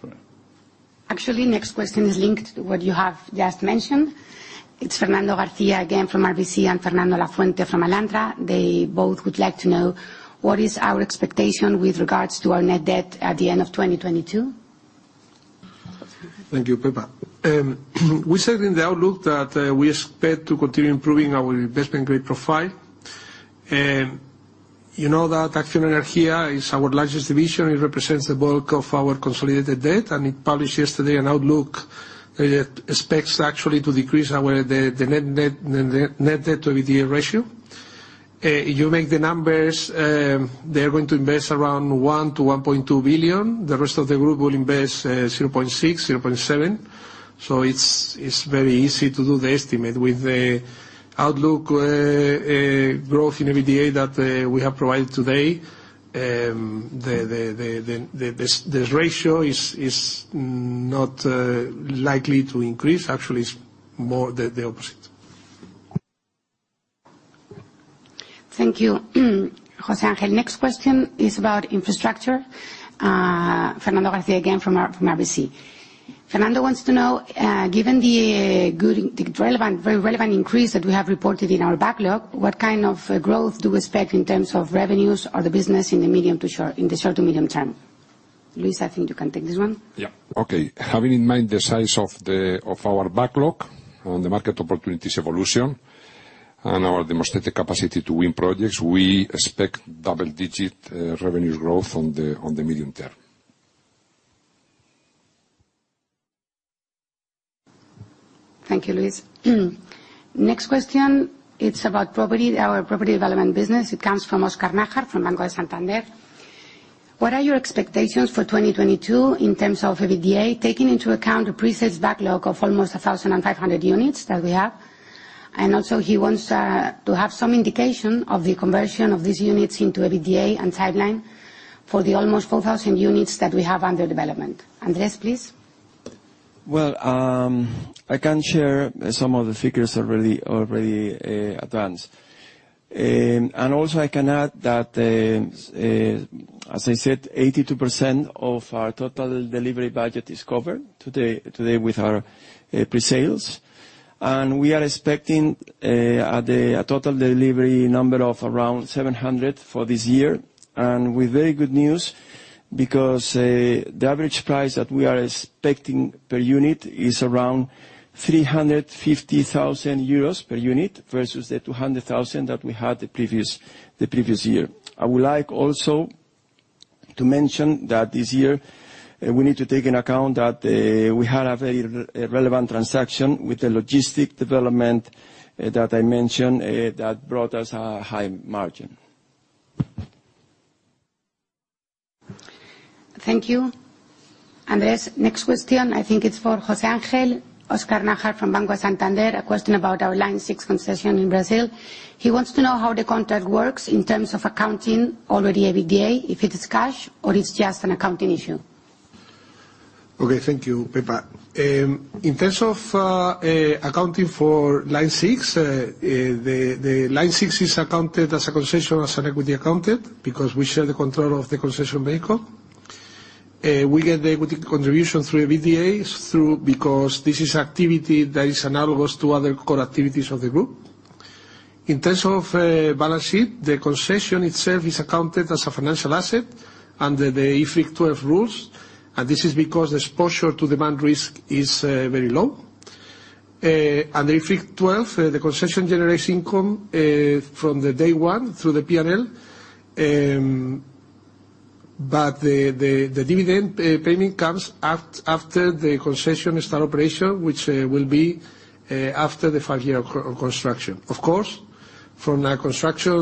Sorry. Actually, next question is linked to what you have just mentioned. It's Fernando García again from RBC and Fernando Lafuente from Alantra. They both would like to know what is our expectation with regards to our net debt at the end of 2022. Thank you, Pippa. We said in the outlook that we expect to continue improving our investment-grade profile. You know that ACCIONA Energía is our largest division. It represents the bulk of our consolidated debt. It published yesterday an outlook. It expects actually to decrease our net debt to EBITDA ratio. You make the numbers. They're going to invest around 1-1.2 billion. The rest of the group will invest 0.6-0.7 billion. It's very easy to do the estimate. With the outlook growth in EBITDA that we have provided today, this ratio is not likely to increase. Actually, it's more the opposite. Thank you, José Ángel. Next question is about infrastructure. Fernando García again from RBC. Fernando wants to know, given the good, relevant, very relevant increase that we have reported in our backlog, what kind of growth do we expect in terms of revenues or the business in the short to medium term? Luis, I think you can take this one. Yeah. Okay. Having in mind the size of our backlog on the market opportunities evolution and our demonstrated capacity to win projects, we expect double-digit revenue growth on the medium term. Thank you, Luis. Next question, it's about property, our property development business. It comes from Oscar Najar from Banco Santander. What are your expectations for 2022 in terms of EBITDA, taking into account the pre-sales backlog of almost 1,500 units that we have? And also he wants to have some indication of the conversion of these units into EBITDA and timeline for the almost 4,000 units that we have under development. Andrés, please. Well, I can share some of the figures already advanced. Also I can add that, as I said, 82% of our total delivery budget is covered today with our pre-sales. We are expecting a total delivery number of around 700 for this year with very good news, because the average price that we are expecting per unit is around 350,000 euros per unit versus the 200,000 that we had the previous year. I would like also to mention that this year we need to take into account that we had a very relevant transaction with the logistic development that I mentioned that brought us a high margin. Thank you, Andrés. Next question, I think it's for José Ángel. Oscar Najar from Banco Santander, a question about our Line 6 concession in Brazil. He wants to know how the contract works in terms of accounting and EBITDA, if it is cash or it's just an accounting issue. Okay. Thank you, Pippa. In terms of accounting for Line six, the Line six is accounted as a concession, as an equity accounted, because we share the control of the concession vehicle. We get the equity contribution through EBITDA, because this is activity that is analogous to other core activities of the group. In terms of balance sheet, the concession itself is accounted as a financial asset under the IFRIC 12 rules, and this is because the exposure to demand risk is very low. Under IFRIC 12, the concession generates income from day one through the P&L. But the dividend payment comes after the concession start operation, which will be after the five-year construction. Of course, from a construction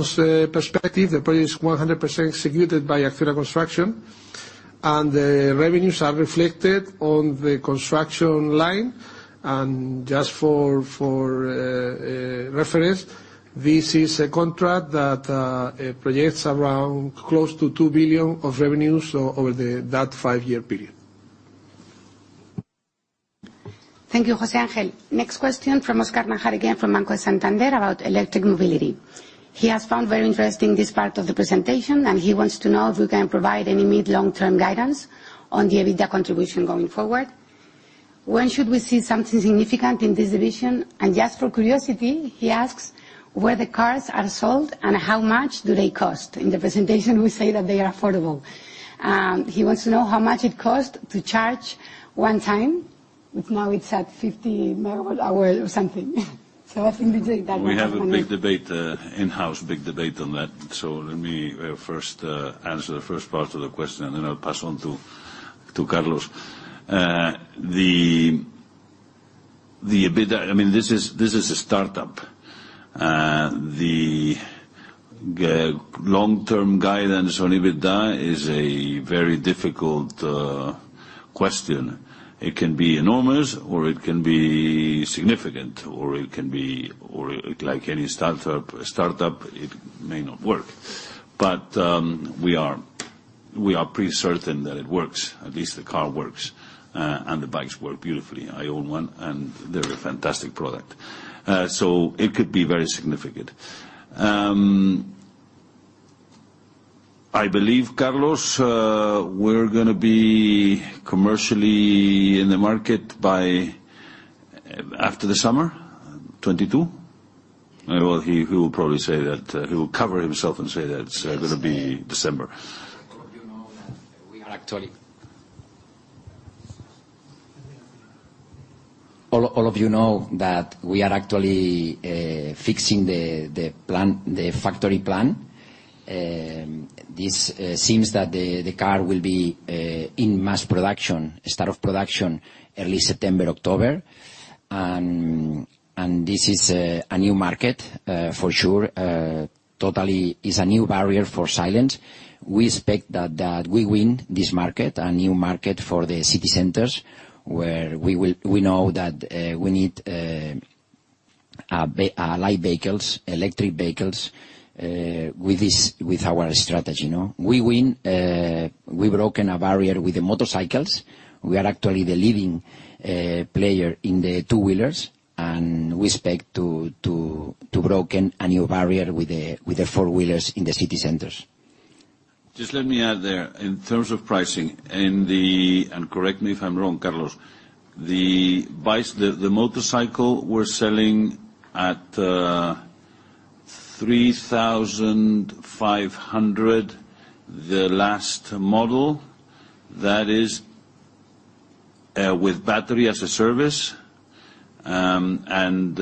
perspective, the project is 100% executed by Acciona Construction. The revenues are reflected on the construction line. Just for reference, this is a contract that projects around close to 2 billion of revenues over that five-year period. Thank you, José Ángel. Next question from Oscar Najar, again from Banco Santander, about electric mobility. He has found very interesting this part of the presentation, and he wants to know if we can provide any mid-long-term guidance on the EBITDA contribution going forward. When should we see something significant in this division? And just for curiosity, he asks where the cars are sold and how much do they cost. In the presentation we say that they are affordable. He wants to know how much it costs to charge one time, which now it's at 50 megawatt hour or something. I think we take that one. We have a big debate in-house on that. Let me first answer the first part of the question, and then I'll pass on to Carlos. The EBITDA. I mean, this is a startup. The long-term guidance on EBITDA is a very difficult question. It can be enormous, or it can be significant, or like any startup, it may not work. We are pretty certain that it works, at least the car works, and the bikes work beautifully. I own one, and they're a fantastic product. It could be very significant. I believe, Carlos, we're gonna be commercially in the market by after the summer, 2022. He will probably say that. He will cover himself and say that it's gonna be December. All of you know that we are actually fixing the plan, the factory plan. This seems that the car will be in mass production, start of production early September, October. This is a new market, for sure. Totally is a new barrier for Silence. We expect that we win this market, a new market for the city centers, where we know that we need light vehicles, electric vehicles with our strategy, you know. We've broken a barrier with the motorcycles. We are actually the leading player in the two-wheelers, and we expect to break a new barrier with the four-wheelers in the city centers. Just let me add there, in terms of pricing, in the end and correct me if I'm wrong, Carlos. The motorcycle we're selling at 3,500, the last model. That is with Battery as a Service and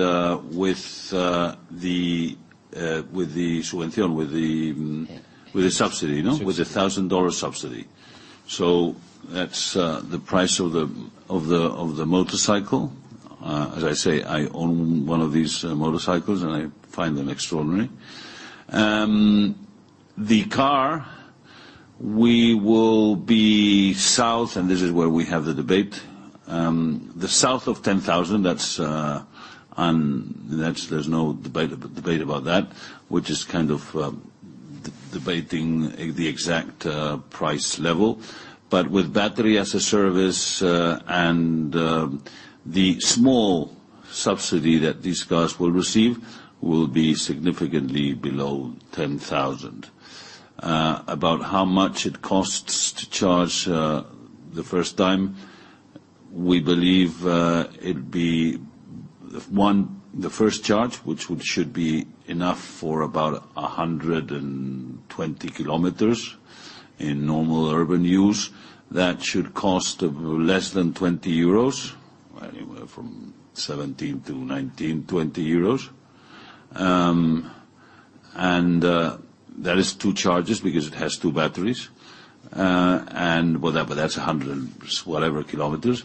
with the subvention, with the- Yes. With the subsidy. Subsidy. You know, with the $1,000 subsidy. That's the price of the motorcycle. As I say, I own one of these motorcycles, and I find them extraordinary. The car, we will be south of EUR 10,000, and this is where we have the debate, the south of 10,000. There's no debate about that, which is kind of debating the exact price level. But with Battery as a Service, and the small subsidy that these cars will receive will be significantly below 10,000. About how much it costs to charge the first time, we believe, it'd be the first charge, which should be enough for about 120 km in normal urban use. That should cost less than 20 euros, anywhere from 17-20 euros. That is two charges because it has two batteries. That's 100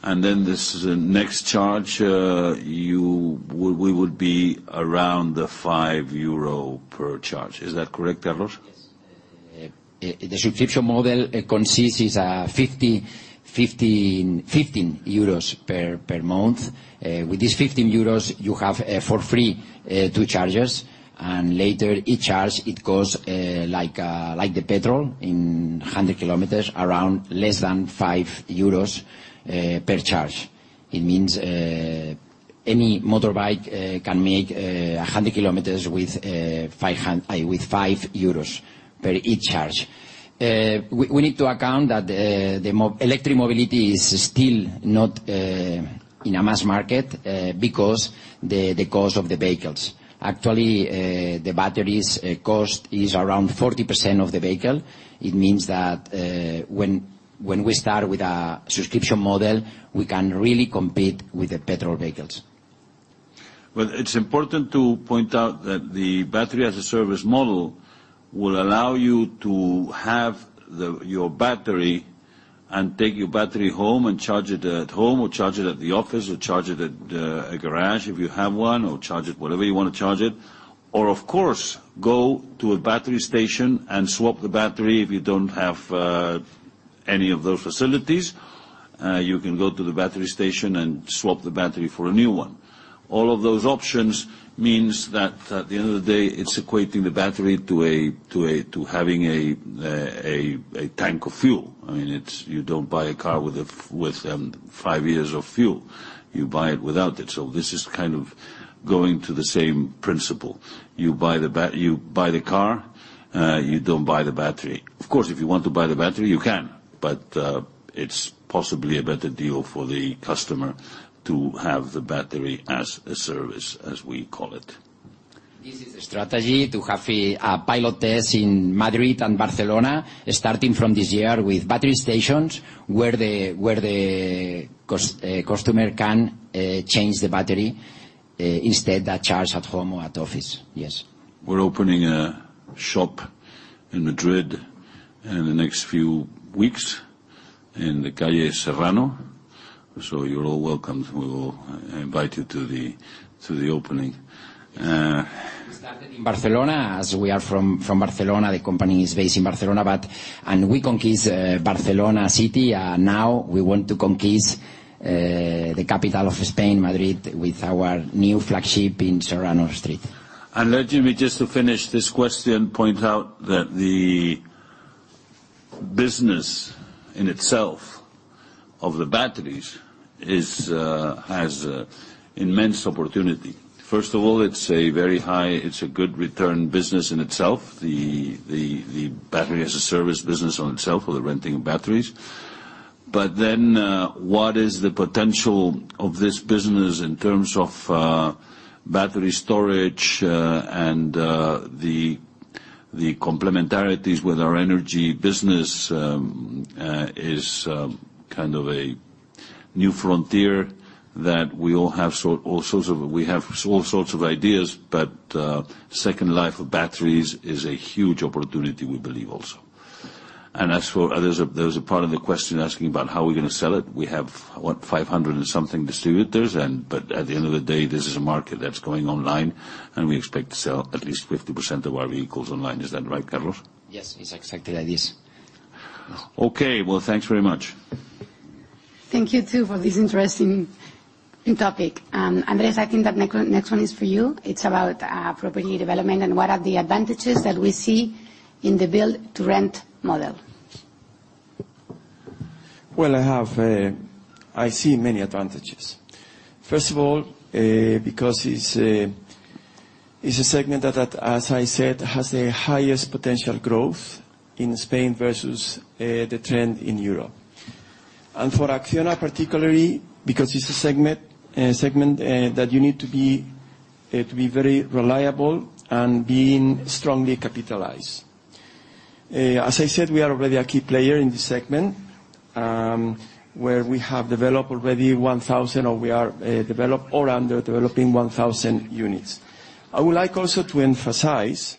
and whatever km. Then this next charge, we would be around 5 euro per charge. Is that correct, Carlos? Yes. The subscription model consists 15 euros per month. With this 15 euros, you have for free two charges. Later, each charge, it costs like the petrol in 100 kilometers, around less than 5 euros per charge. It means any motorbike can make 100 kilometers with EUR 5 per each charge. We need to account that the electric mobility is still not in a mass market because the cost of the vehicles. Actually, the batteries' cost is around 40% of the vehicle. It means that when we start with a subscription model, we can really compete with the petrol vehicles. It's important to point out that the battery-as-a-service model will allow you to have your battery Take your battery home and charge it at home, or charge it at the office, or charge it at a garage if you have one, or charge it wherever you wanna charge it. Or of course, go to a battery station and swap the battery if you don't have any of those facilities. You can go to the battery station and swap the battery for a new one. All of those options means that at the end of the day, it's equating the battery to having a tank of fuel. I mean, you don't buy a car with five years of fuel. You buy it without it. So this is kind of going to the same principle. You buy the car, you don't buy the battery. Of course, if you want to buy the battery, you can, but it's possibly a better deal for the customer to have the Battery as a Service, as we call it. This is a strategy to have a pilot test in Madrid and Barcelona, starting from this year with battery stations, where the customer can change the battery instead of charging at home or at office. Yes. We're opening a shop in Madrid in the next few weeks, in the Calle Serrano. You're all welcome. We'll invite you to the opening. We started in Barcelona, as we are from Barcelona. The company is based in Barcelona, but we conquered Barcelona City. Now we want to conquer the capital of Spain, Madrid, with our new flagship in Serrano Street. Let me, just to finish this question, point out that the business in itself of the batteries has immense opportunity. First of all, it's a good return business in itself, the Battery as a Service business in itself or the renting of batteries. But then, what is the potential of this business in terms of battery storage and the complementarities with our energy business is kind of a new frontier that we have all sorts of ideas, but second life of batteries is a huge opportunity, we believe also. As for others, there was a part of the question asking about how we're gonna sell it. We have, what, 500 and something distributors and, but at the end of the day, this is a market that's going online, and we expect to sell at least 50% of our vehicles online. Is that right, Carlos? Yes. It's exactly like this. Okay. Well, thanks very much. Thank you, too, for this interesting topic. Andrés, I think the next one is for you. It's about property development, and what are the advantages that we see in the build-to-rent model? Well, I have, I see many advantages. First of all, because it's a segment that as I said has the highest potential growth in Spain versus the trend in Europe. For ACCIONA particularly, because it's a segment that you need to be very reliable and being strongly capitalized. As I said, we are already a key player in this segment, where we have developed already 1,000 units or are under developing 1,000 units. I would like also to emphasize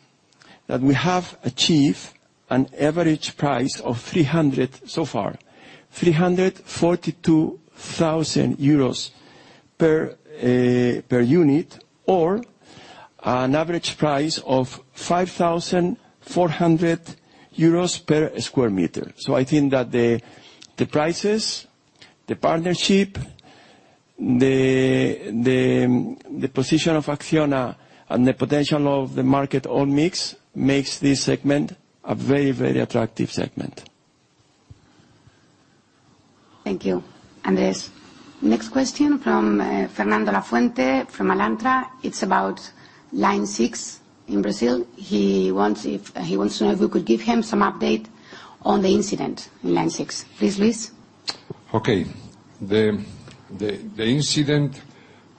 that we have achieved an average price of 342,000 euros per unit or an average price of 5,400 euros per square meter. I think that the prices, the partnership, the position of ACCIONA, and the potential of the market all mixed makes this segment a very, very attractive segment. Thank you, Andrés. Next question from Fernando Lafuente from Alantra. It's about Line 6 in Brazil. He wants to know if you could give him some update on the incident in Line 6. Please, Luis. The incident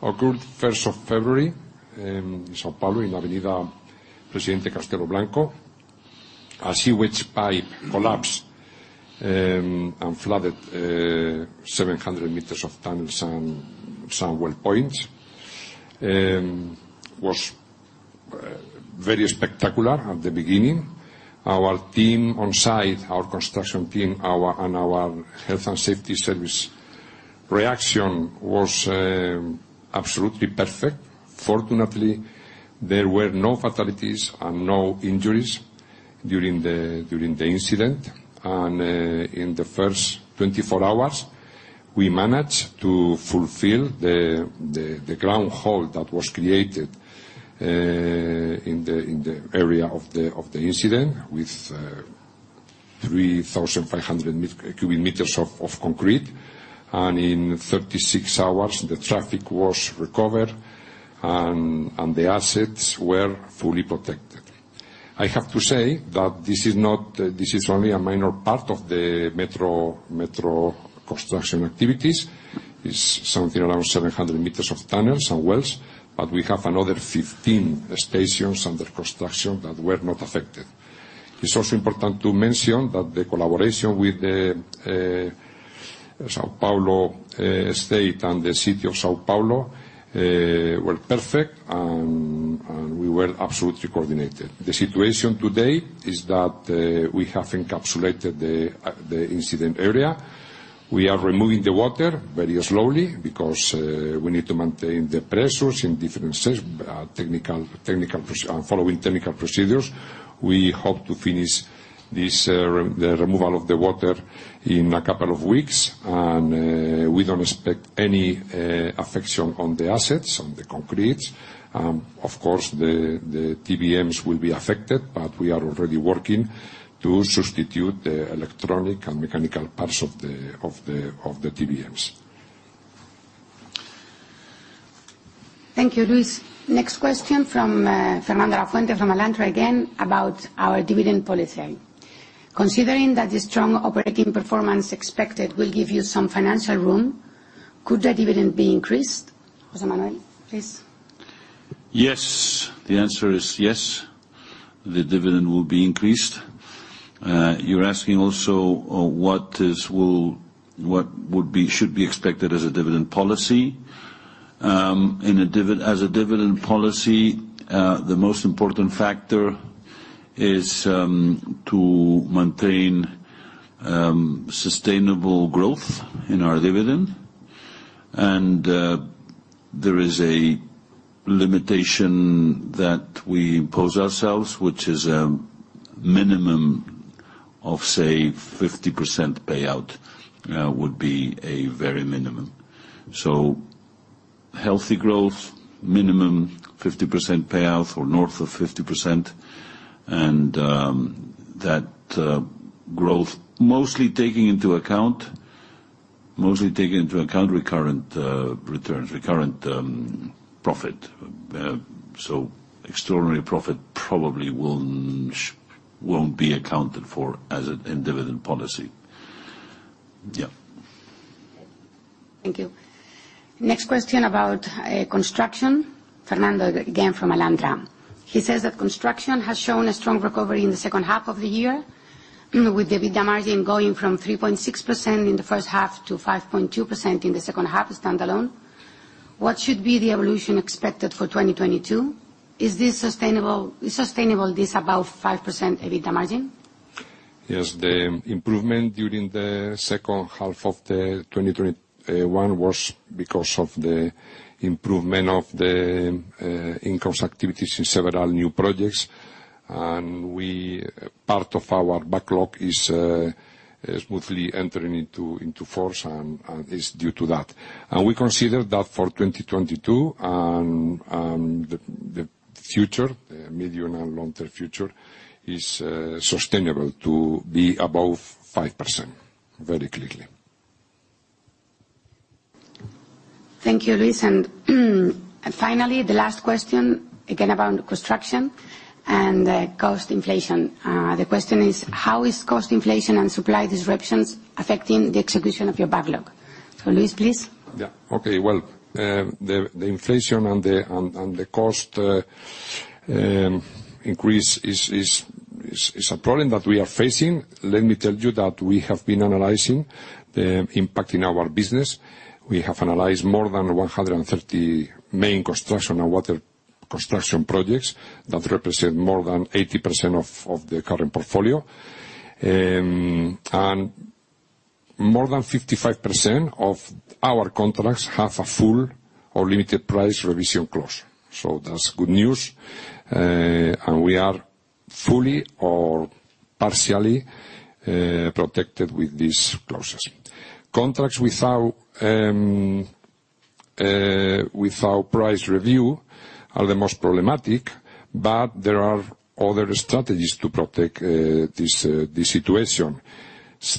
occurred the first of February in São Paulo on Avenida Presidente Castelo Branco. A sewage pipe collapsed and flooded 700 meters of tunnels and some well points. It was very spectacular at the beginning. Our team on site, our construction team, and our health and safety service reaction was absolutely perfect. Fortunately, there were no fatalities and no injuries during the incident. In the first 24 hours, we managed to fill the ground hole that was created in the area of the incident with 3,500 cubic meters of concrete. In 36 hours, the traffic was recovered and the assets were fully protected. I have to say that this is only a minor part of the metro construction activities. It's something around 700 meters of tunnels and wells, but we have another 15 stations under construction that were not affected. It's also important to mention that the collaboration with the São Paulo state and the city of São Paulo were perfect and we were absolutely coordinated. The situation today is that we have encapsulated the incident area. We are removing the water very slowly because we need to maintain the pressures in different sets following technical procedures. We hope to finish the removal of the water in a couple of weeks. We don't expect any effect on the assets, on the concretes. Of course, the TBMs will be affected, but we are already working to substitute the electronic and mechanical parts of the TBMs. Thank you, Luis. Next question from Fernando Lafuente from Alantra again, about our dividend policy. Considering that the strong operating performance expected will give you some financial room, could the dividend be increased? José Manuel, please. Yes. The answer is yes, the dividend will be increased. You're asking also what would be expected as a dividend policy. As a dividend policy, the most important factor is to maintain sustainable growth in our dividend. There is a limitation that we impose ourselves, which is a minimum of, say, 50% payout, would be a very minimum. Healthy growth, minimum 50% payout or north of 50%. That growth mostly taking into account recurrent returns, recurrent profit. Extraordinary profit probably won't be accounted for in dividend policy. Yeah. Thank you. Next question about construction. Fernando again from Alantra. He says that construction has shown a strong recovery in the second half of the year, with the EBITDA margin going from 3.6% in the first half to 5.2% in the second half standalone. What should be the evolution expected for 2022? Is this sustainable, this above 5% EBITDA margin? Yes. The improvement during the second half of 2021 was because of the improvement of the in-course activities in several new projects. Part of our backlog is smoothly entering into force and it's due to that. We consider that for 2022 and the future medium- and long-term future is sustainable to be above 5%, very clearly. Thank you, Luis. Finally, the last question, again, about construction and cost inflation. The question is: How is cost inflation and supply disruptions affecting the execution of your backlog? Luis, please. The inflation and the cost increase is a problem that we are facing. Let me tell you that we have been analyzing the impact in our business. We have analyzed more than 130 main construction and water construction projects that represent more than 80% of the current portfolio. More than 55% of our contracts have a full or limited price revision clause. So that's good news. We are fully or partially protected with these clauses. Contracts without price review are the most problematic, but there are other strategies to protect this situation.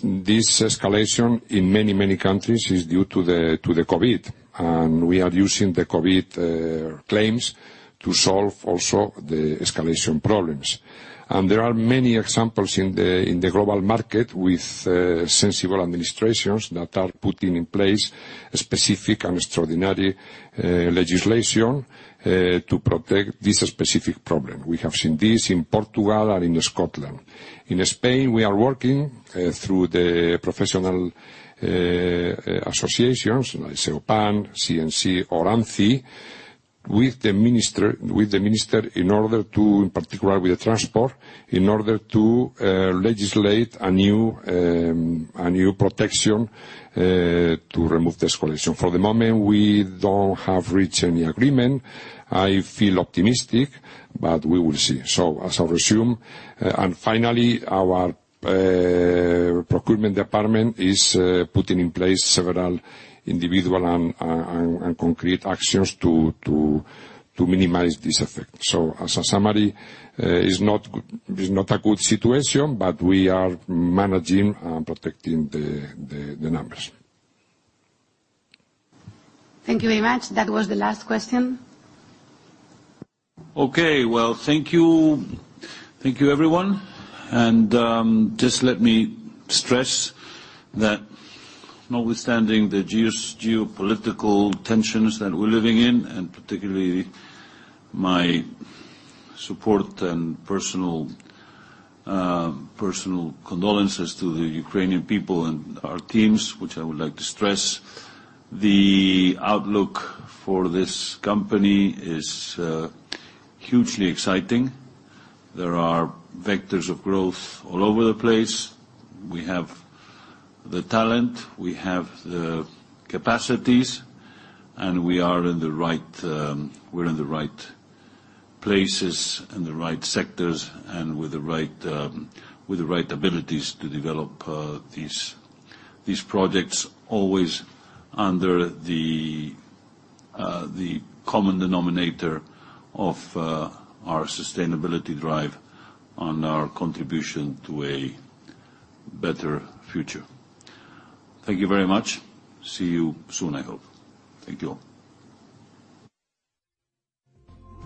This escalation in many countries is due to the COVID, and we are using the COVID claims to solve also the escalation problems. There are many examples in the global market with sensible administrations that are putting in place specific and extraordinary legislation to protect this specific problem. We have seen this in Portugal and in Scotland. In Spain, we are working through the professional associations, like Sepan, CNC or ANCI, with the minister in particular with the transport in order to legislate a new protection to remove the escalation. For the moment, we don't have reached any agreement. I feel optimistic, but we will see. As I resume and finally, our procurement department is putting in place several individual and concrete actions to minimize this effect. As a summary, it's not a good situation, but we are managing and protecting the numbers. Thank you very much. That was the last question. Okay. Well, thank you. Thank you, everyone. Just let me stress that notwithstanding the geopolitical tensions that we're living in, and particularly my support and personal condolences to the Ukrainian people and our teams, which I would like to stress, the outlook for this company is hugely exciting. There are vectors of growth all over the place. We have the talent, we have the capacities, and we're in the right places and the right sectors and with the right abilities to develop these projects always under the common denominator of our sustainability drive and our contribution to a better future. Thank you very much. See you soon, I hope. Thank you.